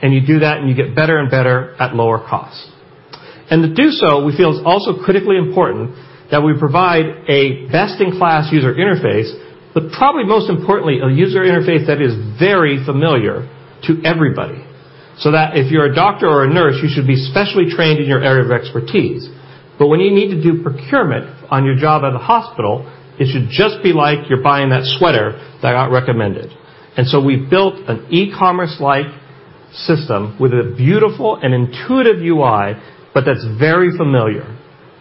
You do that, and you get better and better at lower cost. To do so, we feel it's also critically important that we provide a best-in-class user interface, but probably most importantly, a user interface that is very familiar to everybody, so that if you're a doctor or a nurse, you should be specially trained in your area of expertise. When you need to do procurement on your job at the hospital, it should just be like you're buying that sweater that I got recommended. We built an e-commerce-like system with a beautiful and intuitive UI, but that's very familiar,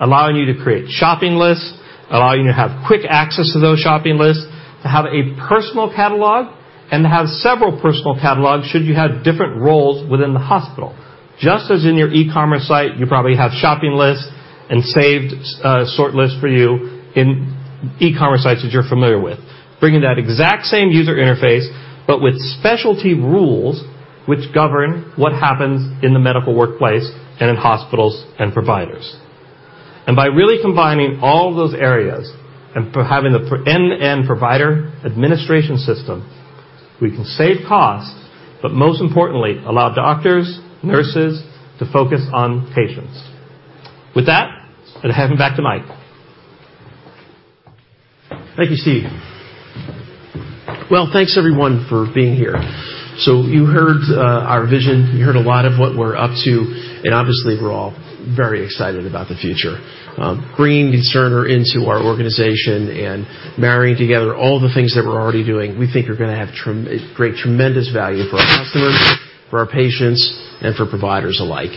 allowing you to create shopping lists, allowing you to have quick access to those shopping lists, to have a personal catalog. Have several personal catalogs should you have different roles within the hospital. Just as in your e-commerce site, you probably have shopping lists and saved, sort lists for you in e-commerce sites that you're familiar with. Bringing that exact same user interface, but with specialty rules which govern what happens in the medical workplace and in hospitals and providers. By really combining all those areas and having the end-to-end provider administration system, we can save costs, but most importantly, allow doctors, nurses to focus on patients. With that, I'm gonna hand it back to Mike. Thank you, Steve. Well, thanks everyone for being here. You heard our vision, you heard a lot of what we're up to, and obviously, we're all very excited about the future. Bringing Cerner into our organization and marrying together all the things that we're already doing, we think are gonna create tremendous value for our customers, for our patients, and for providers alike.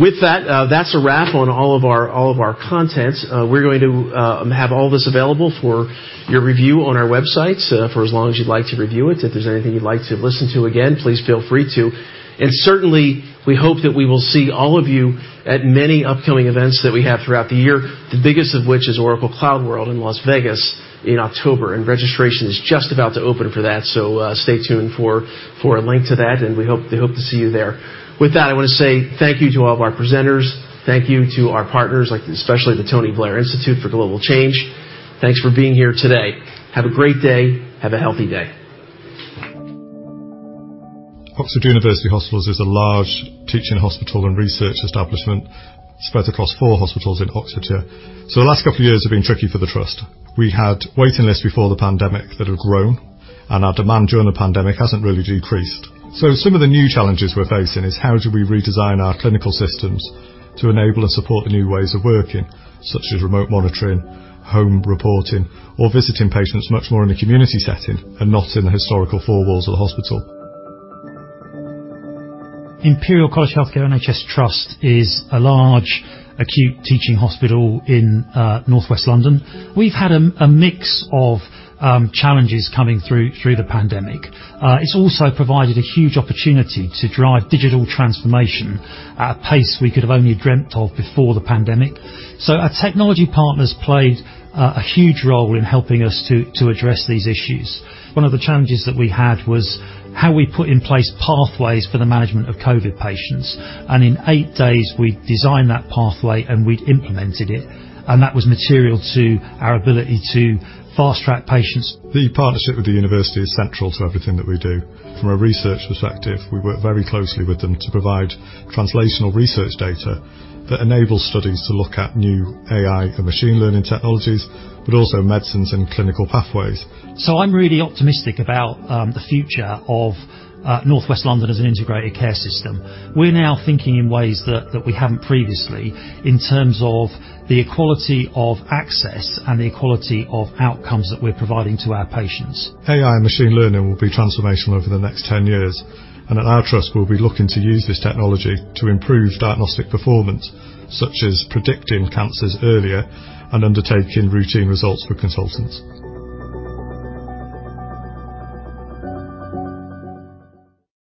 With that's a wrap on all of our contents. We're going to have all this available for your review on our websites, for as long as you'd like to review it. If there's anything you'd like to listen to again, please feel free to. Certainly, we hope that we will see all of you at many upcoming events that we have throughout the year, the biggest of which is Oracle CloudWorld in Las Vegas in October, and registration is just about to open for that. Stay tuned for a link to that, and we hope to see you there. With that, I wanna say thank you to all of our presenters. Thank you to our partners, like especially the Tony Blair Institute for Global Change. Thanks for being here today. Have a great day. Have a healthy day. Oxford University Hospitals is a large teaching hospital and research establishment spread across four hospitals in Oxfordshire. The last couple of years have been tricky for the trust. We had waiting lists before the pandemic that have grown, and our demand during the pandemic hasn't really decreased. Some of the new challenges we're facing is how do we redesign our clinical systems to enable and support the new ways of working, such as remote monitoring, home reporting, or visiting patients much more in a community setting and not in the historical four walls of the hospital. Imperial College Healthcare NHS Trust is a large acute teaching hospital in northwest London. We've had a mix of challenges coming through the pandemic. It's also provided a huge opportunity to drive digital transformation at a pace we could have only dreamt of before the pandemic. Our technology partners played a huge role in helping us to address these issues. One of the challenges that we had was how we put in place pathways for the management of COVID patients. In 8 days, we'd designed that pathway, and we'd implemented it. That was material to our ability to fast-track patients. The partnership with the university is central to everything that we do. From a research perspective, we work very closely with them to provide translational research data that enables studies to look at new AI and machine learning technologies, but also medicines and clinical pathways. I'm really optimistic about the future of northwest London as an integrated care system. We're now thinking in ways that we haven't previously in terms of the equality of access and the equality of outcomes that we're providing to our patients. AI and machine learning will be transformational over the next 10 years, and at our trust, we'll be looking to use this technology to improve diagnostic performance, such as predicting cancers earlier and undertaking routine results for consultants.